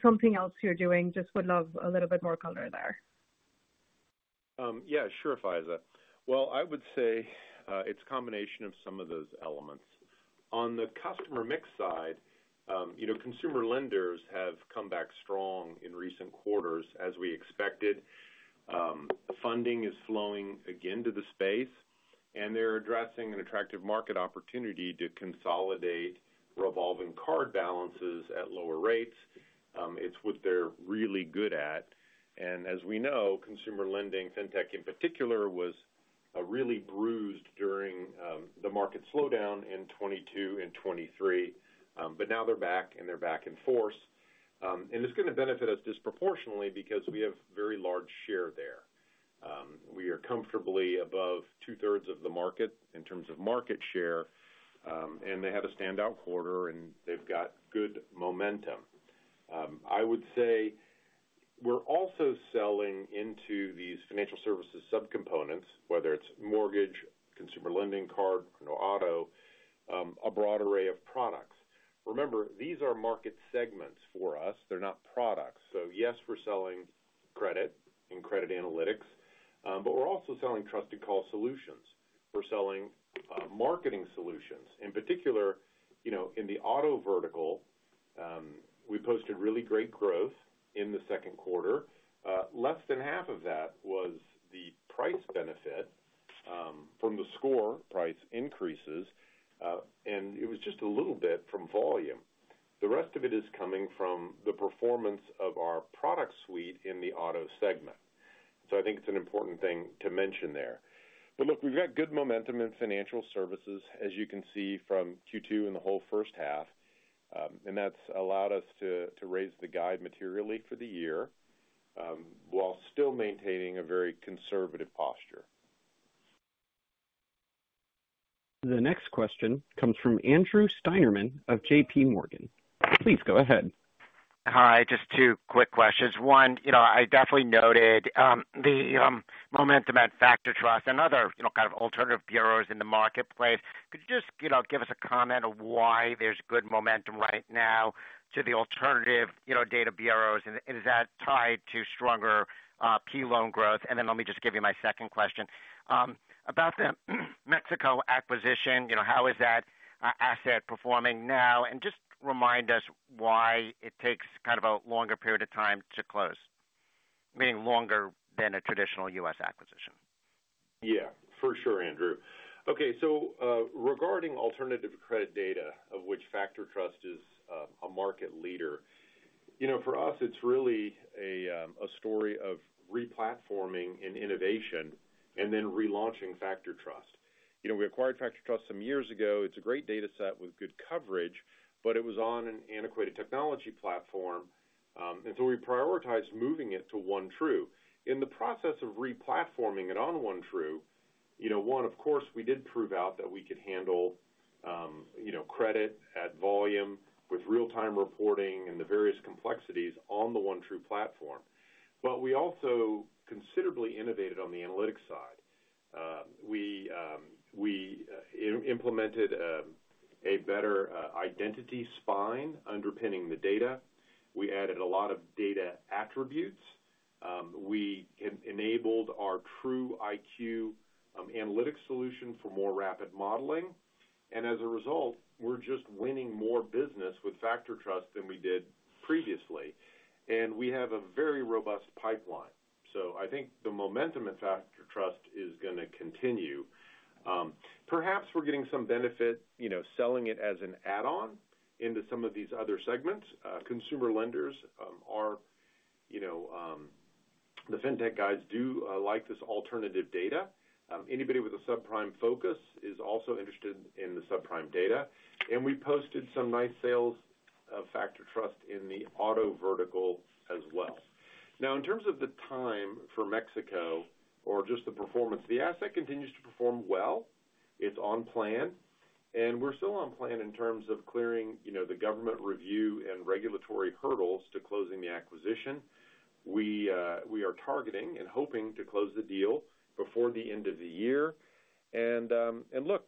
something else you're doing? Just would love a little bit more color there. Yeah, sure. Faiza. I would say it's a combination of some of those elements. On the customer mix side, consumer lenders have come back strong in recent quarters. As we expected, funding is flowing again to the space and they're addressing an attractive market opportunity to consolidate revolving card balances at lower rates. It's what they're really good at. As we know, consumer lending, FinTech in particular, was really bruised during the market slowdown in 2022 and 2023. Now they're back and they're back in force. It's going to benefit us disproportionately because we have very large share there. We are comfortably above 2/3 of the market in terms of market share, and they have a standout quarter and they've got good momentum. I would say we're also selling into these financial services sub components, whether it's mortgage, consumer lending card, no auto, a broad array of products. Remember, these are market segments for us. They're not products. Yes, we're selling credit and credit analytics, but we're also selling Trusted Call Solutions. We're selling marketing solutions in particular in the auto vertical. We posted really great growth in the second quarter. Less than half of that was the price benefit from the score price increases, and it was just a little bit from volume. The rest of it is coming from the performance of our product suite in the auto segment. I think it's an important thing to mention there. Look, we've got good momentum in financial services, as you can see from Q2 and the whole first half, and that's allowed us to raise the guide materially for the year while still maintaining a very conservative posture. The next question comes from Andrew Steinerman of JPMorgan. Please go ahead. Hi. Just two quick questions. One, you know, I definitely noted the momentum at FactorTrust and other, you know, kind of alternative bureaus in the marketplace. Could you just, you know, give us a comment of why there's good momentum right now to the alternative, you know, data bureaus and is that tied to stronger. And then let me just give you my second question about the México acquisition. You know, how is that asset performing now? And just remind us why it takes kind of a longer period of time to close, meaning longer than a traditional U.S. acquisition. Yeah, for sure, Andrew. Okay, so regarding alternative credit data, of which FactorTrust is a market leader, you know, for us, it's really a story of replatforming and innovation and then relaunching FactorTrust. You know, we acquired FactorTrust some years ago. It's a great data set with good coverage, but it was on an antiquated technology platform. We prioritized moving it to OneTru in the process of replatforming it on OneTru. You know, of course, we did prove out that we could handle credit at volume with real time reporting and the various complexities on the OneTru platform. We also considerably innovated on the analytics side. We implemented a better identity spine underpinning the data, we added a lot of data attributes, we enabled our TruIQ analytics solution for more rapid modeling. As a result, we're just winning more business with FactorTrust than we did previously and we have a very robust pipeline. I think the momentum at FactorTrust is going to continue. Perhaps we're getting some benefit, you know, selling it as an add on into some of these other segments. Consumer lenders are, you know, the FinTech guys do like this alternative data. Anybody with a subprime focus is also interested in the subprime data. We posted some nice sales of FactorTrust in the auto vertical as well. Now, in terms of the time for México or just the performance, the asset continues to perform well, it's on plan and we're still on plan in terms of clearing the government review and regulatory hurdles to closing the acquisition. We are targeting and hoping to close the deal before the end of the year. Look,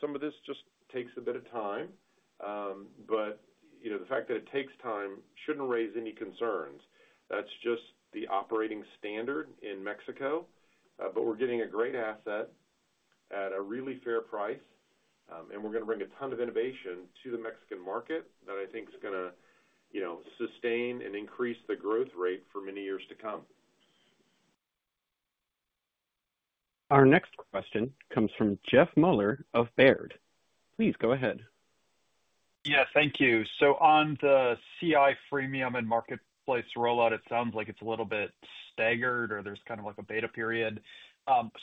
some of this just takes a bit of time, but the fact that it takes time shouldn't raise any concerns. That's just the operating standard in México. We're getting a great asset at a really fair price and we're going to bring a ton of innovation to the Mexican market that I think is going to sustain and increase the growth rate for many years to come. Our next question comes from Jeff Meuler of Baird. Please go ahead. Yeah, thank you. On the CI freemium and marketplace rollout, it sounds like it's a little bit staggered or there's kind of like a beta period.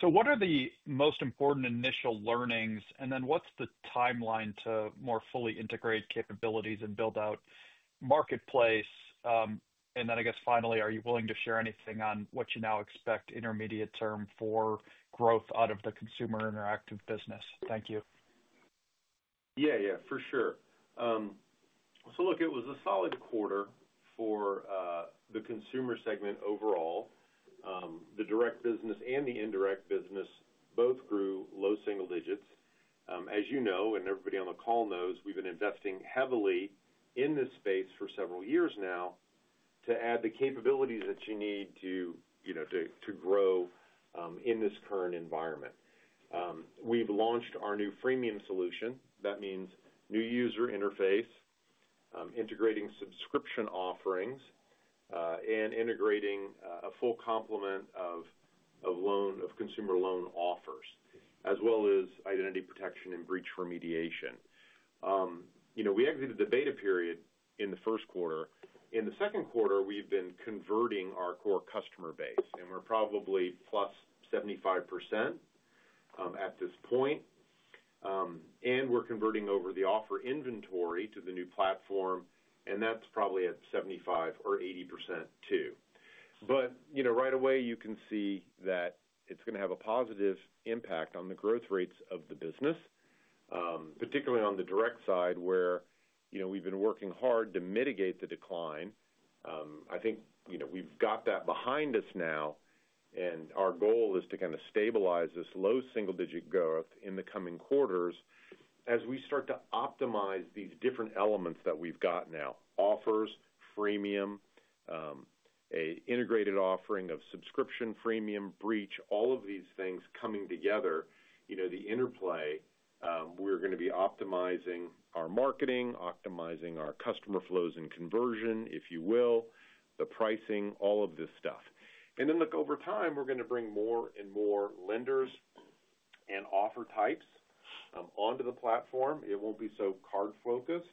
What are the most important initial learnings and then what's the timeline to? More fully integrate capabilities and build out marketplace. I guess finally, are you. Willing to share anything on what you? Now, expect intermediate term for growth out of the Consumer Interactive business? Thank you. Yeah, yeah, for sure. Look, it was a solid quarter for the consumer segment overall. The direct business and the indirect business both grew low-single digits. As you know, and everybody on the call knows, we've been investing heavily in this space for several years now to add the capabilities that you need to grow in this current environment. We've launched our new freemium solution that means new user interface, integrating subscription offerings and integrating a full complement of consumer loan offers as well as identity protection and breach remediation. You know, we exited the beta period in the first quarter. In the second quarter, we've been converting our core customer base and we're probably +75% at this point and we're converting over the offer inventory to the new platform and that's probably at 75%-80% too. You know, right away you can see that it's going to have a positive impact on the growth rates of the business, particularly on the direct side where we've been working hard to mitigate the decline. I think we've got that behind us now and our goal is to kind of stabilize this low-single digit growth in the coming quarters as we start to optimize these different elements that we've got now—offers, freemium, an integrated offering of subscription, freemium, breach. All of these things coming together, the interplay. We're going to be optimizing our marketing, optimizing our customer flows and conversion, if you will, the pricing, all of this stuff. Over time we're going to bring more and more lenders and offer types onto the platform. It won't be so card-focused.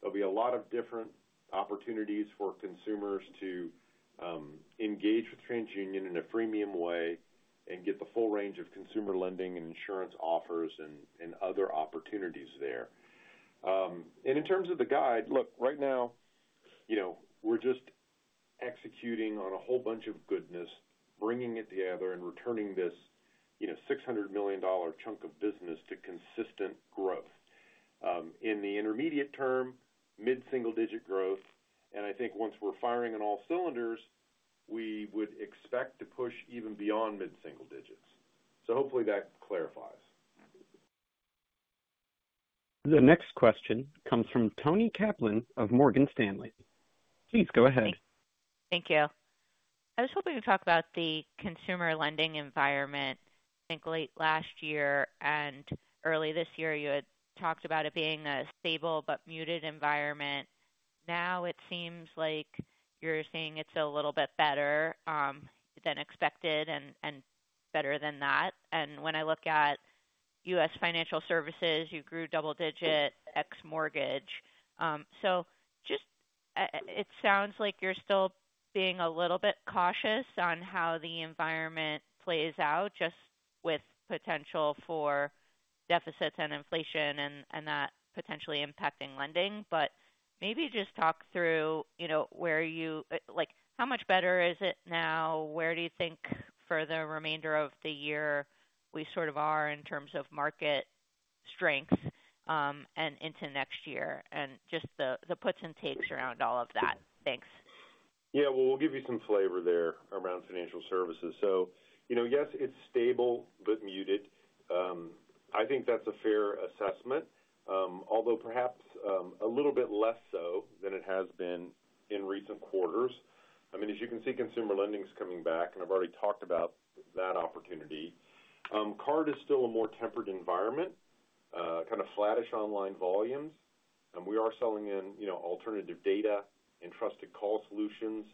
There'll be a lot of different opportunities for consumers to engage with TransUnion in a freemium way and get the full range of consumer lending and insurance offers and other opportunities there. In terms of the guide, right now we're just executing on a whole bunch of goodness, bringing it together and returning this $600 million chunk of business to consistent growth in the intermediate term, mid-single digit growth. I think once we're firing in all cylinders, we would expect to push even beyond mid-single digits. Hopefully that clarifies. The next question comes from Toni Kaplan of Morgan Stanley. Please go ahead. Thank you. I was hoping to talk about the consumer lending environment. I think late last year and early this year you had talked about it being a stable but muted environment. Now it seems like you're saying it's a little bit better than expected and better than that. When I look at U.S. financial services, you grew double digit ex mortgage, so just it sounds like you're still being a little bit cautious on how the environment plays out just with potential for deficits and inflation and that potentially impacting lending. Maybe just talk through where you like. How much better is it now? Where do you think for the remainder of the year? We sort of are in terms of market strength and into next year and just the puts and takes around all of that. Thanks. Yeah, we'll give you some flavor there around financial services. Yes, it's stable. Bit muted, I think that's a fair assessment, although perhaps a little bit less so than it has been in recent quarters. I mean, as you can see, consumer lending is coming back and I've already talked about that opportunity. Card is still a more tempered environment, kind of flattish online volumes. We are selling in alternative data and Trusted Call Solutions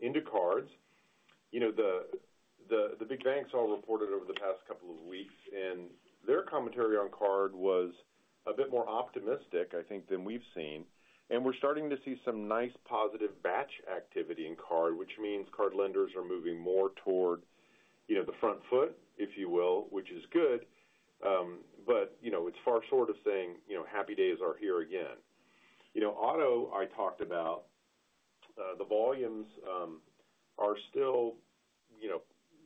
into cards. You know, the big banks all reported over the past couple of weeks and their commentary on card was a bit more optimistic, I think, than we've seen. We're starting to see some nice positive batch activity in card, which means card lenders are moving more toward, you know, the front foot, if you will, which is good. You know, it's far short of saying, you know, happy days are here again. Auto, I talked about, the volumes are still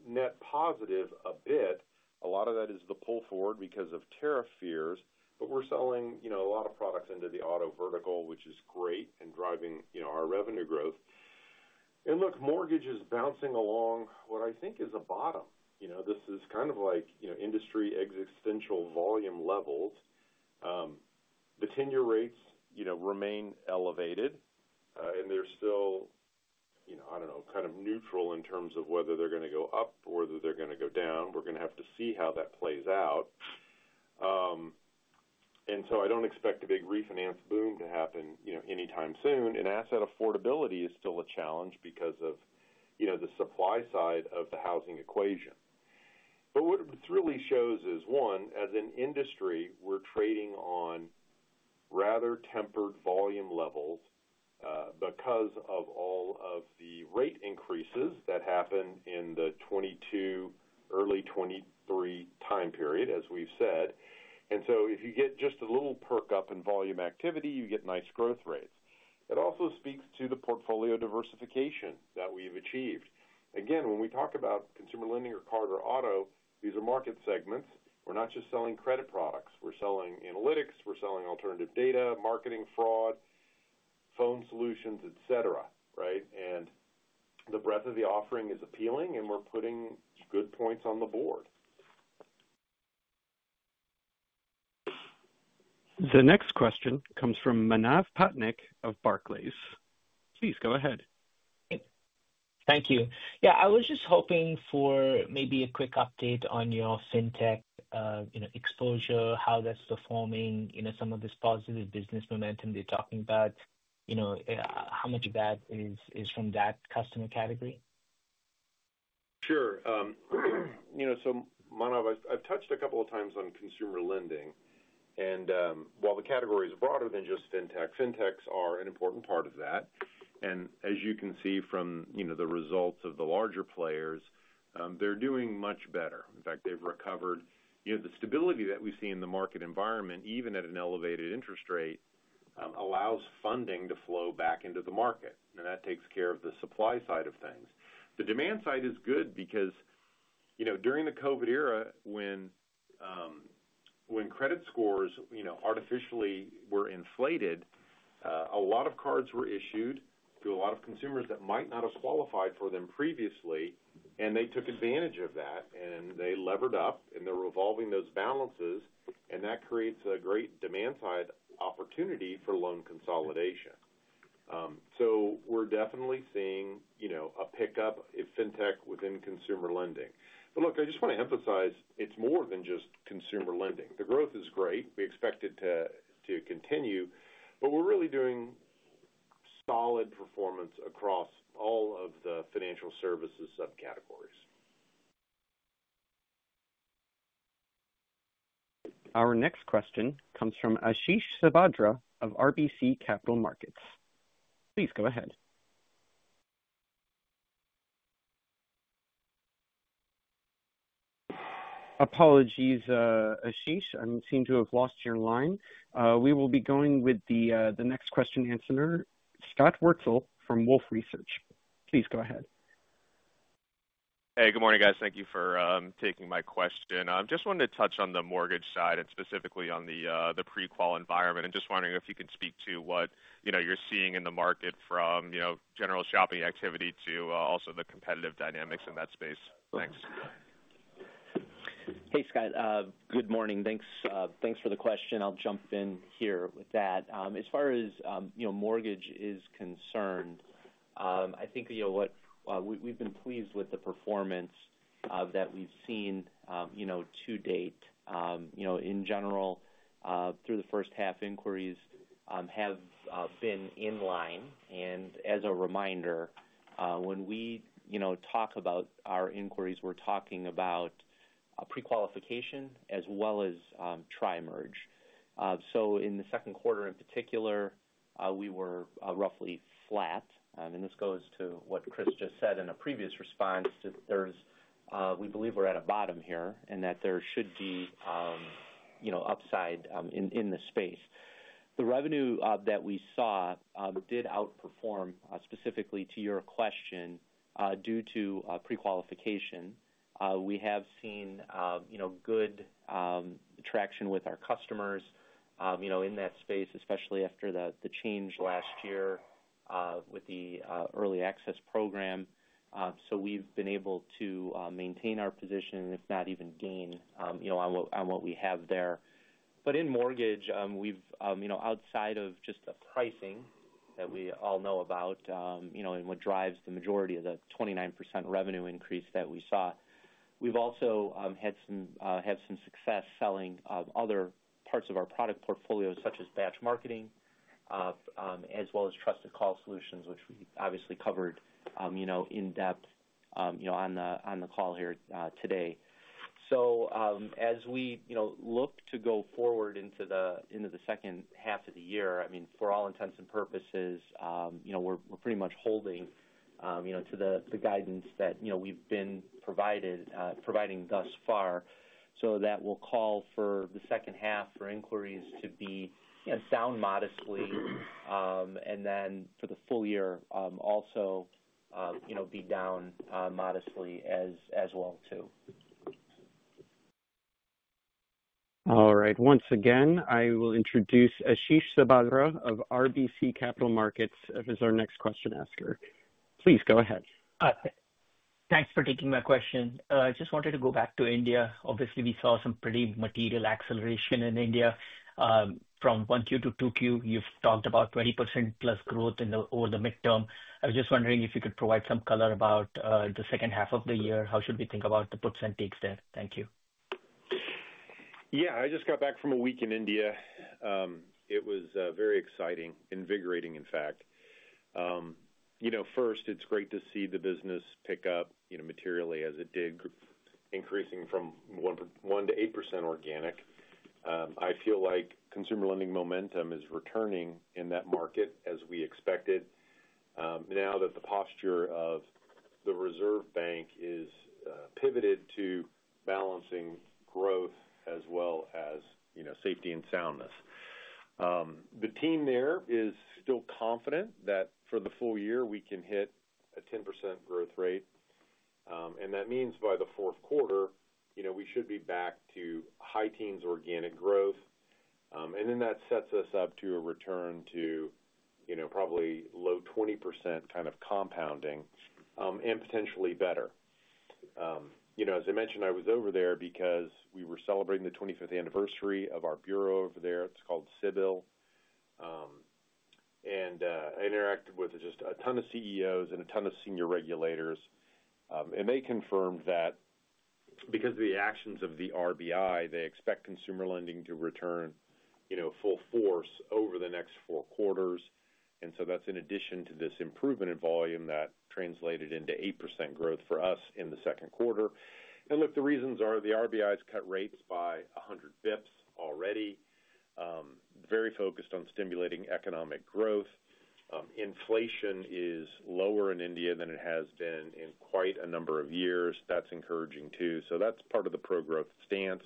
net positive a bit. A lot of that is the pull forward because of tariff fears. We're selling a lot of products into the auto vertical, which is great and driving our revenue growth. Look, mortgage is bouncing along what I think is a bottom. This is kind of like industry existential volume levels. The tenure rates remain elevated and they're still, I don't know, kind of neutral in terms of whether they're going to go up or whether they're going to go down. We're going to have to see how that plays out. I don't expect a big refinance boom to happen anytime soon. Asset affordability is still a challenge because of the supply side of the housing equation. What really shows is one, as an industry, we're trading on rather tempered volume levels because of all of the rate increases that happened in the 2022-early 2023 time period, as we've said. If you get just a little perk up in volume activity, you get nice growth rates. It also speaks to the portfolio diversification that we've achieved. Again, when we talk about consumer lending or card or auto, these are market segments. We're not just selling credit products, we're selling analytics, we're selling alternative data, marketing, fraud, phone solutions, et cetera. The breadth of the offering is appealing and we're putting good points on the board. The next question comes from Manav Patnaik of Barclays. Please go ahead. Thank you. Yeah, I was just hoping for maybe a quick update on your FinTech exposure, how that's performing. Some of this positive business momentum you're talking about, how much of that is from that customer category? Sure. Manav. I've touched a couple of times on consumer lending and while the category is broader than just fintech. FinTechs are an important part of that and as you can see from the results of the larger players, they're doing much better. In fact, they've recovered. The stability that we see in the market environment, even at an elevated interest rate allows funding to flow back into the market and that takes care of the supply side of things. The demand side is good because during the COVID era when credit scores artificially were inflated, a lot of cards were issued to a lot of consumers that might not have qualified for them previously. And they took advantage of that and they levered up and they're revolving those balances and that creates a great demand side opportunity for loan consolidation. We're definitely seeing a pickup in FinTech within consumer lending. I just want to emphasize it's more than just consumer lending. The growth is great, we expect it to continue. We're really doing solid performance across all of the financial services subcategories. Our next question comes from Ashish Sabadra of RBC Capital Markets. Please go ahead. Apologies Ashish, I seem to have lost your line. We will be going with the next question answer. Scott Wurtzel from Wolfe Research. Please go ahead. Hey, good morning guys. Thank you for taking my question. I just wanted to touch on the mortgage side and specifically on the pre-qual environment and just wondering if you could speak to what you're seeing in the market from general shopping activity to also the competitive dynamics in that space. Thanks. Hey Scott, good morning. Thanks for the question. I'll jump in here with that. As far as mortgage is concerned, I think we've been pleased with the performance that we've seen to date. In general, through the first half, inquiries have been in line. And as a reminder, when we talk about our inquiries, we're talking about pre-qualification as well as tri-merge. In the second quarter in particular, we were roughly flat. This goes to what Chris just said in a previous response. We believe we're at a bottom here and that there should be, you know, upside in the space. The revenue that we saw did outperform, specifically to your question, due to pre-qualification. We have seen, you know, good traction with our customers, you know, in that space, especially after the change last year with the early access program. We've been able to maintain our position, if not even gain, you know, on what we have there. In mortgage, we've, you know, outside of just the pricing that we all know about, you know, and what drives the majority of the 29% revenue increase that we saw, we've also had some success selling other parts of our product portfolio, such as batch marketing as well as Trusted Call Solutions, which we obviously covered, you know, in depth, you know, on the call here today. As we, you know, look to go forward into the second half of the year, I mean, for all intents and purposes, we're pretty much holding to the guidance that we've been providing thus far. That will call for the second half for inquiries to be down modestly and then for the full year also be down modestly as well. All right, once again, I will introduce Ashish Sabadra of RBC Capital Markets as our next question asker. Please go ahead. Thanks for taking my question. I just wanted to go back to India. Obviously, we saw some pretty material acceleration in India from 1Q to 2Q. You've talked about 20%+ growth over the midterm. I was just wondering if you could provide some color about the second half of the year. How should we think about the puts and takes there? Thank you. Yeah, I just got back from a week in India. It was very exciting, invigorating, in fact. You know, first, it's great to see the business pick up materially as it did, increasing from 1% to 8% organic. I feel like consumer lending momentum is returning in that market as we expected. Now that the posture of the Reserve Bank is pivoted to balancing growth as well as safety and soundness. The team there is still confident that for the full year we can hit a 10% growth rate. That means by the fourth quarter we should be back to high teens organic growth. That sets us up to a return to, you know, probably low 20% kind of compounding and potentially better. You know, as I mentioned, I was over there because we were celebrating the 25th anniversary of our bureau over there. It's called CIBIL and interacted with just a ton of CEOs and a ton of senior regulators. They confirmed that because of the actions of the RBI, they expect consumer lending to return, you know, full force over the next four quarters. That is in addition to this improvement in volume that translated into 8% growth for us in the second quarter. Look, the reasons are the RBI has cut rates by 100 basis points already, very focused on stimulating economic growth. Inflation is lower in India than it has been in quite a number of years. That's encouraging too. That's part of the pro growth stance.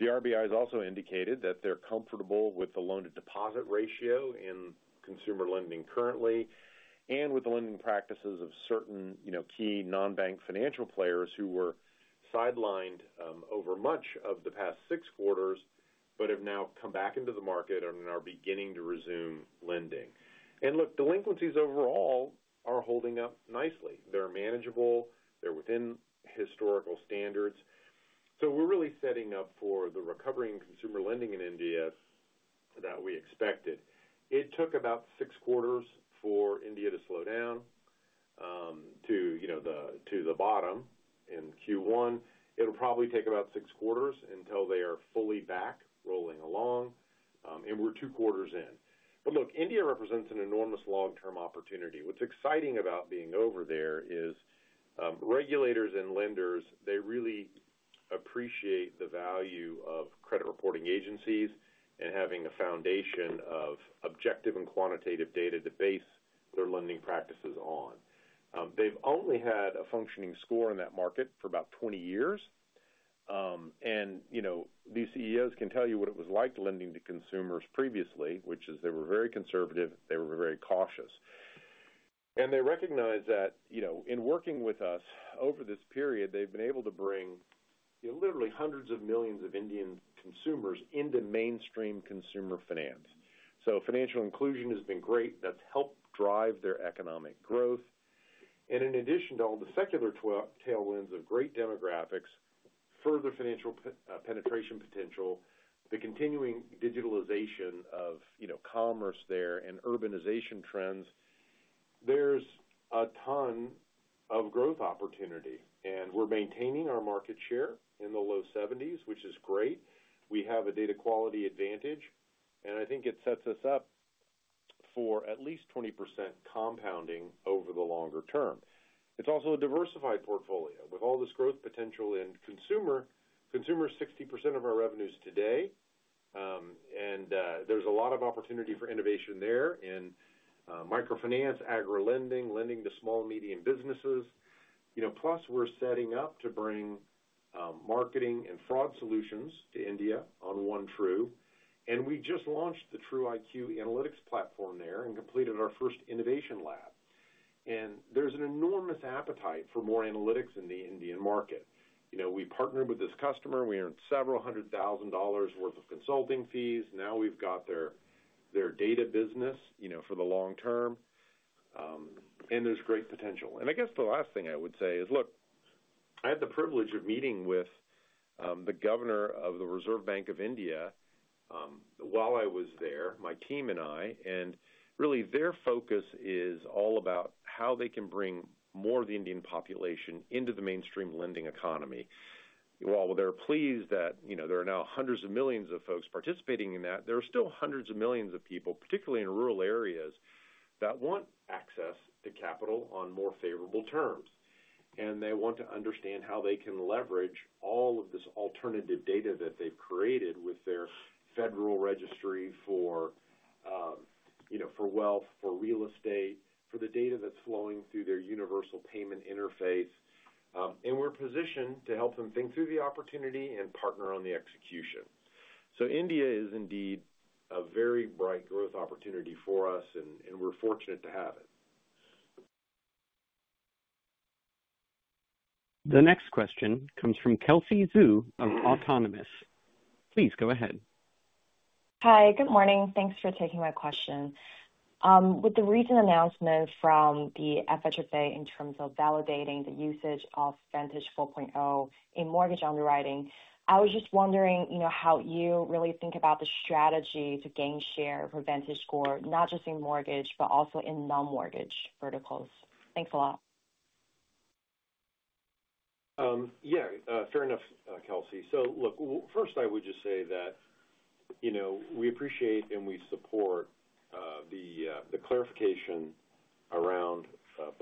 The RBI has also indicated that they're comfortable with the loan to deposit ratio in consumer lending currently and with the lending practices of certain key non-bank financial players who were sidelined over much of the past six quarters but have now come back into the market and are beginning to resume lending. Look, delinquencies overall are holding up nicely. They're manageable, they're within historical standards. We're really setting up for the recovery in consumer lending in India that we expected. It took about six quarters for India to slow down to the bottom in Q1. It'll probably take about six quarters until they are fully back rolling along and we're two quarters in. Look, India represents an enormous long term opportunity. What's exciting about being over there is regulators and lenders, they really appreciate the value of credit reporting agencies and having a foundation of objective and quantitative data to base their lending practices on. They've only had a functioning score in that market for about 20 years. You know, these CEOs can tell you what it was like lending to consumers previously, which is they were very conservative, they were very cautious and they recognize that, you know, in working with us over this period, they've been able to bring literally hundreds of millions of Indian consumers into mainstream consumer finance. Financial inclusion has been great. That's helped drive their economic growth. In addition to all the secular tweaks, tailwinds of great demographics, further financial penetration potential, the continuing digitalization of commerce there and urbanization trends, there's a ton of growth opportunity and we're maintaining our market share in the low 70s which is great. We have a data quality advantage and I think it sets us up for at least 20% compounding over the longer term. It's also a diversified portfolio with all this growth potential in consumer, consumer 60% of our revenues today. There's a lot of opportunity for innovation there in microfinance, agri lending, lending to small and medium businesses. Plus we're setting up to bring marketing and fraud solutions to India on OneTru and we just launched the TruIQ analytics platform there and completed our first innovation lab. There's an enormous appetite for more analytics in the Indian market. We partnered with this customer, we earned several hundred thousand dollars worth of consulting fees. Now we've got their data business for the long term and there's great potential. The last thing I would say is, look, I had the privilege of meeting with the Governor of the Reserve Bank of India while I was there, my team and I. Their focus is all about how they can bring more of the Indian population into the mainstream lending economy. While they're pleased that there are now hundreds of millions of folks participating in that, there are still hundreds of millions of people, particularly in rural areas, that want access to capital on more favorable terms. They want to understand how they can leverage all of this alternative data that they've created with their federal registry. For. Wealth, for real estate, for the data that's flowing through their universal payment interface. We are positioned to help them think through the opportunity and partner on the execution. India is indeed a very bright growth opportunity for us and we're fortunate to have it. The next question comes from Kelsey Zhu of Autonomous. Please go ahead. Hi, good morning. Thanks for taking my question. With the recent announcement from the FHFA in terms of validating the usage of VantageScore 4.0 in mortgage underwriting, I was just wondering how you really think about the strategy to gain share for VantageScore, not just in mortgage, but also in non-mortgage verticals. Thanks a lot. Yeah, fair enough, Kelsey. So look, first I would just say that, you know, we appreciate and we support the clarification around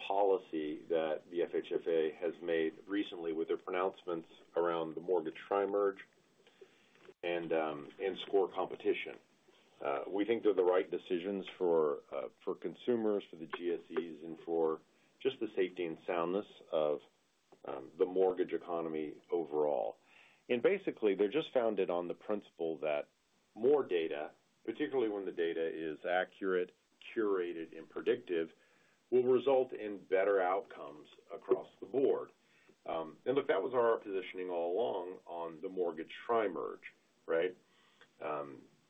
policy that the FHFA has made recently with their pronouncements around the mortgage tri merge and score competition. We think they're the right decisions for consumers, for the GSEs, and for just the safety and soundness of the mortgage economy overall. Basically they're just founded on the principle that more data, particularly when the data is accurate, curated and predictive, will result in better outcomes across the board. That was our positioning all along on the mortgage tri merge, right?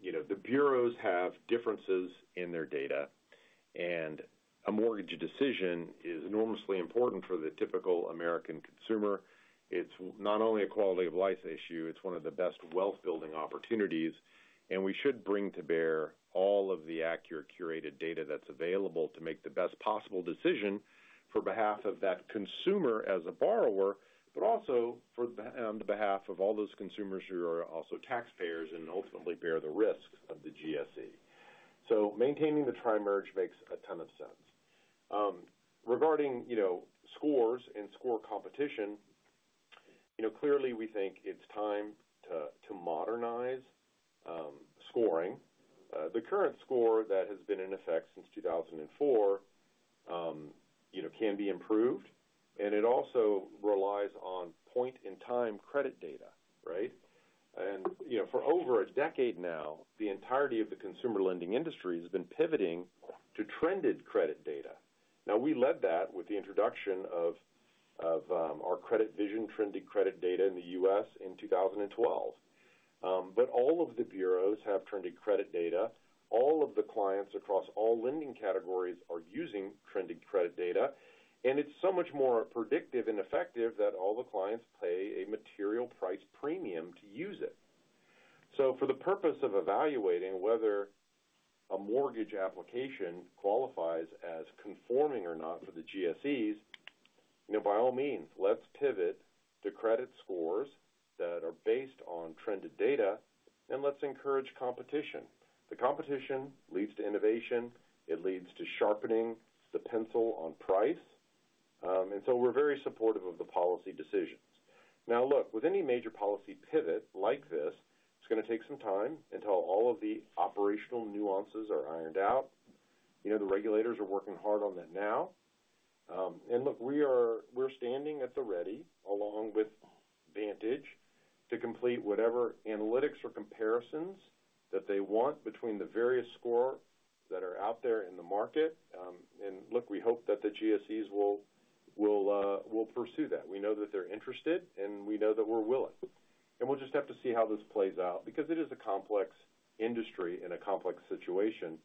You know, the bureaus have differences in their data and a mortgage decision is enormously important for the typical American consumer. It's not only a quality of life issue, it's one of the best wealth building opportunities and we should bring to bear all of the accurate curated data that's available to make the best possible decision for behalf of that consumer as a borrower, but also on the behalf of all those consumers who are also taxpayers and ultimately bear the risks of the GSE. Maintaining the tri-merge makes a ton of sense regarding scores and score competition. Clearly we think it's time to modernize scoring. The current score that has been in effect since 2004 can be improved and it also relies on point in time credit data. For over a decade now, the entirety of the consumer lending industry has been pivoting to trended credit data. We led that with the introduction of our CreditVision trended data in the U.S. in 2012. All of the bureaus have trended credit data. All of the clients across all lending categories are using trended credit data. It's so much more predictive and effective that all the clients pay a material price premium to use it. For the purpose of evaluating whether a mortgage application qualifies as conforming or not for the GSEs, by all means, let's pivot to credit scores that are based on trended data and let's encourage competition. The competition leads to innovation, it leads to sharpening the pencil on price. We're very supportive of the policy decisions. Now look, with any major policy pivot like this, it's going to take some time until all of the operational nuances are ironed out. The regulators are working hard on that now. We're standing at the ready along with Vantage to complete whatever analytics or comparisons that they want between the various score that are out there in the market. We hope that the GSEs will pursue that. We know that they're interested and we know that we're willing and we'll just have to see how this plays out because it is a complex industry and a complex situation.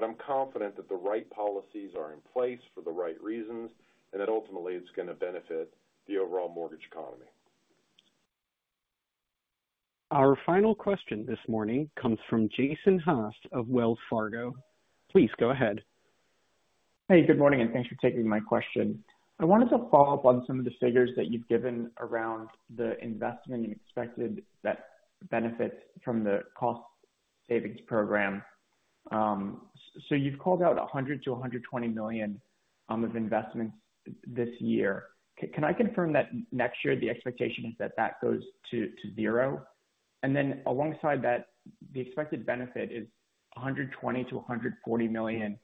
I'm confident that the right policies are in place for the right reasons and that ultimately it's going to benefit the overall mortgage economy. Our final question this morning comes from Jason Haas of Wells Fargo. Please go ahead. Hey, good morning and thanks for taking my question. I wanted to follow up on some. Of the figures that you've given around the investment and expected that benefits from the cost savings program. So you've called out $100 million-$120 million of investments this year. Can I confirm that next year the expectation is that that goes to zero and then alongside that the expected benefit is $120 million-$140 million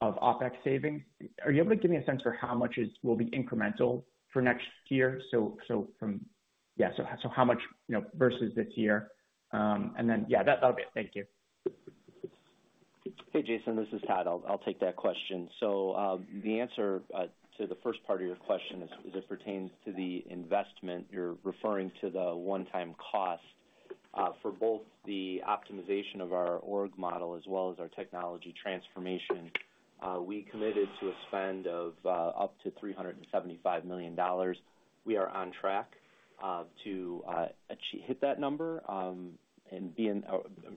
of OpEx savings. Are you able to give me a sense for how much is will be incremental for next year? So yeah. So how much versus this year? And then. Yeah, that'll be it. Thank you. Hey Jason, this is Todd. I'll take that question. The answer to the first part of your question as it pertains to the investment, you're referring to the one time cost. For both the optimization of our org model as well as our technology transformation, we committed to a spend of up to $375 million. We are on track to hit that number and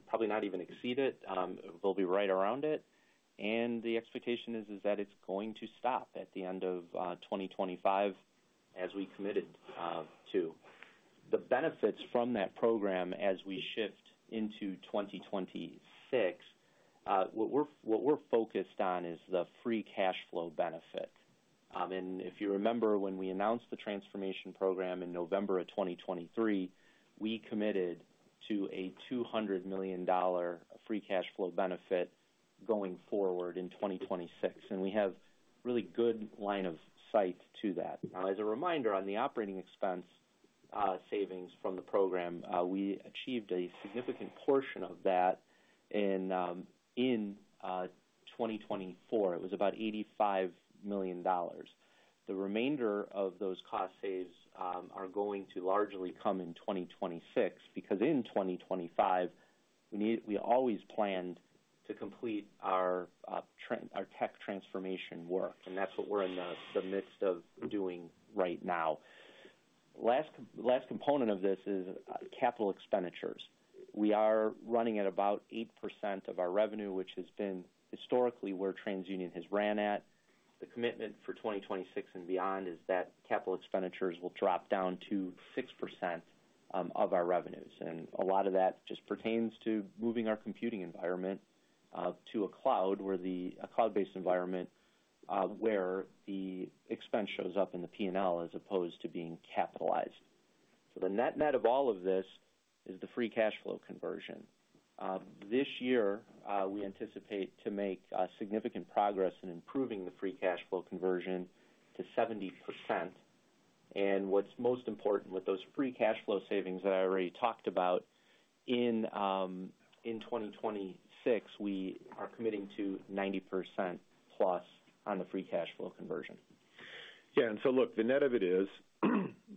probably not even exceed it. We'll be right around it. The expectation is that it's going to stop at the end of 2025 as we committed to the benefits from that program as we shift into 2026, what we're focused on is the free cash flow benefit. If you remember, when we announced the transformation program in November of 2023, we committed to a $200 million free cash flow benefit going forward in 2026. We have really good line of sight to that now. As a reminder on the operating expense savings from the program, we achieved a significant portion of that in 2024. It was about $85 million. The remainder of those cost saves are going to largely come in 2026 because in 2025 we always planned to complete our tech transformation work. That's what we're in the midst of doing right now. Last component of this is capital expenditures. We are running at about 8% of our revenue, which has been historically where TransUnion has ran at. The commitment for 2026 and beyond is that capital expenditures will drop down to 6% of our revenues. A lot of that just pertains to moving our computing environment to a cloud, a cloud-based environment where the expense shows up in the P&L as opposed to being capitalized. The net net of all of this is the free cash flow conversion. This year we anticipate to make significant progress in improving the free cash flow conversion to 70%. What's most important with those free cash flow savings that I already talked about in 2026, we are committing to 90%+ on the free cash flow conversion. Yeah, and look, the net of it is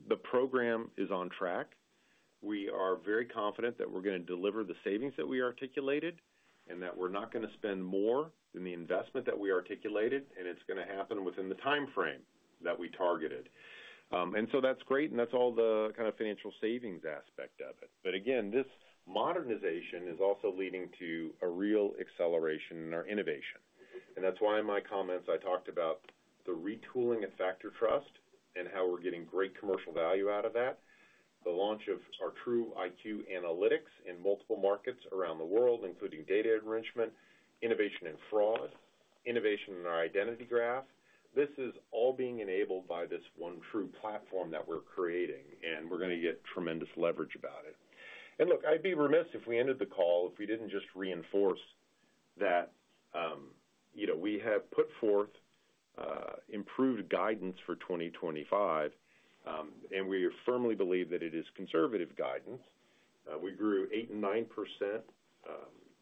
the program is on track. We are very confident that we're going to deliver the savings that we articulated and that we're not going to spend more than the investment that we articulated and it's going to happen within the time frame that we targeted. That's great. That's all the kind of financial savings aspect of it. Again, this modernization is also leading to a real acceleration in our innovation. That's why in my comments I talked about the retooling at FactorTrust and how we're getting great commercial value out of that. The launch of our TruIQ analytics in multiple markets around the world, including data enrichment, innovation in fraud, innovation in our identity graph. This is all being enabled by this OneTru platform that we're creating and we're going to get tremendous leverage out of it. I'd be remiss if we ended the call if we didn't just reinforce that we have put forth improved guidance for 2025 and we firmly believe that it is conservative guidance. We grew 8% and 9%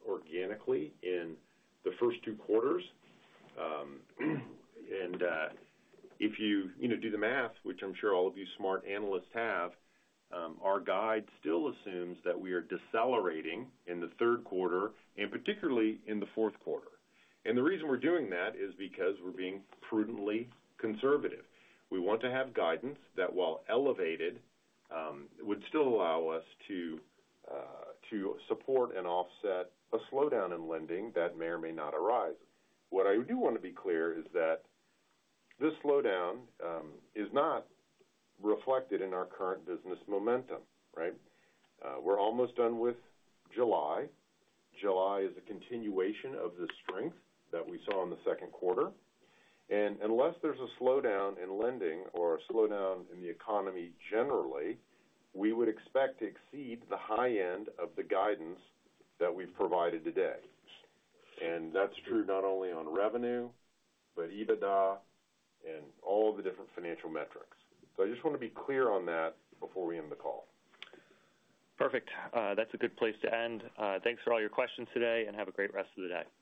organically in the first two quarters. If you do the math, which I'm sure all of you smart analysts have, our guide still assumes that we are decelerating in the third quarter and particularly in the fourth quarter. The reason we're doing that is because we're being prudently conservative. We want to have guidance that, while elevated, would still allow us to support and offset a slowdown in lending that may or may not arise. What I do want to be clear is that this slowdown is not reflected in our current business momentum. Right. We're almost done with July. July is a continuation of the strength that we saw in the second quarter. Unless there's a slowdown in lending or a slowdown in the economy generally, we would expect to exceed the high end of the guidance that we've provided today. That's true not only on revenue, but EBITDA and all the different financial metrics. I just want to be clear on that before we end the call. Perfect. That's a good place to end. Thanks for all your questions today and have a great rest of the day.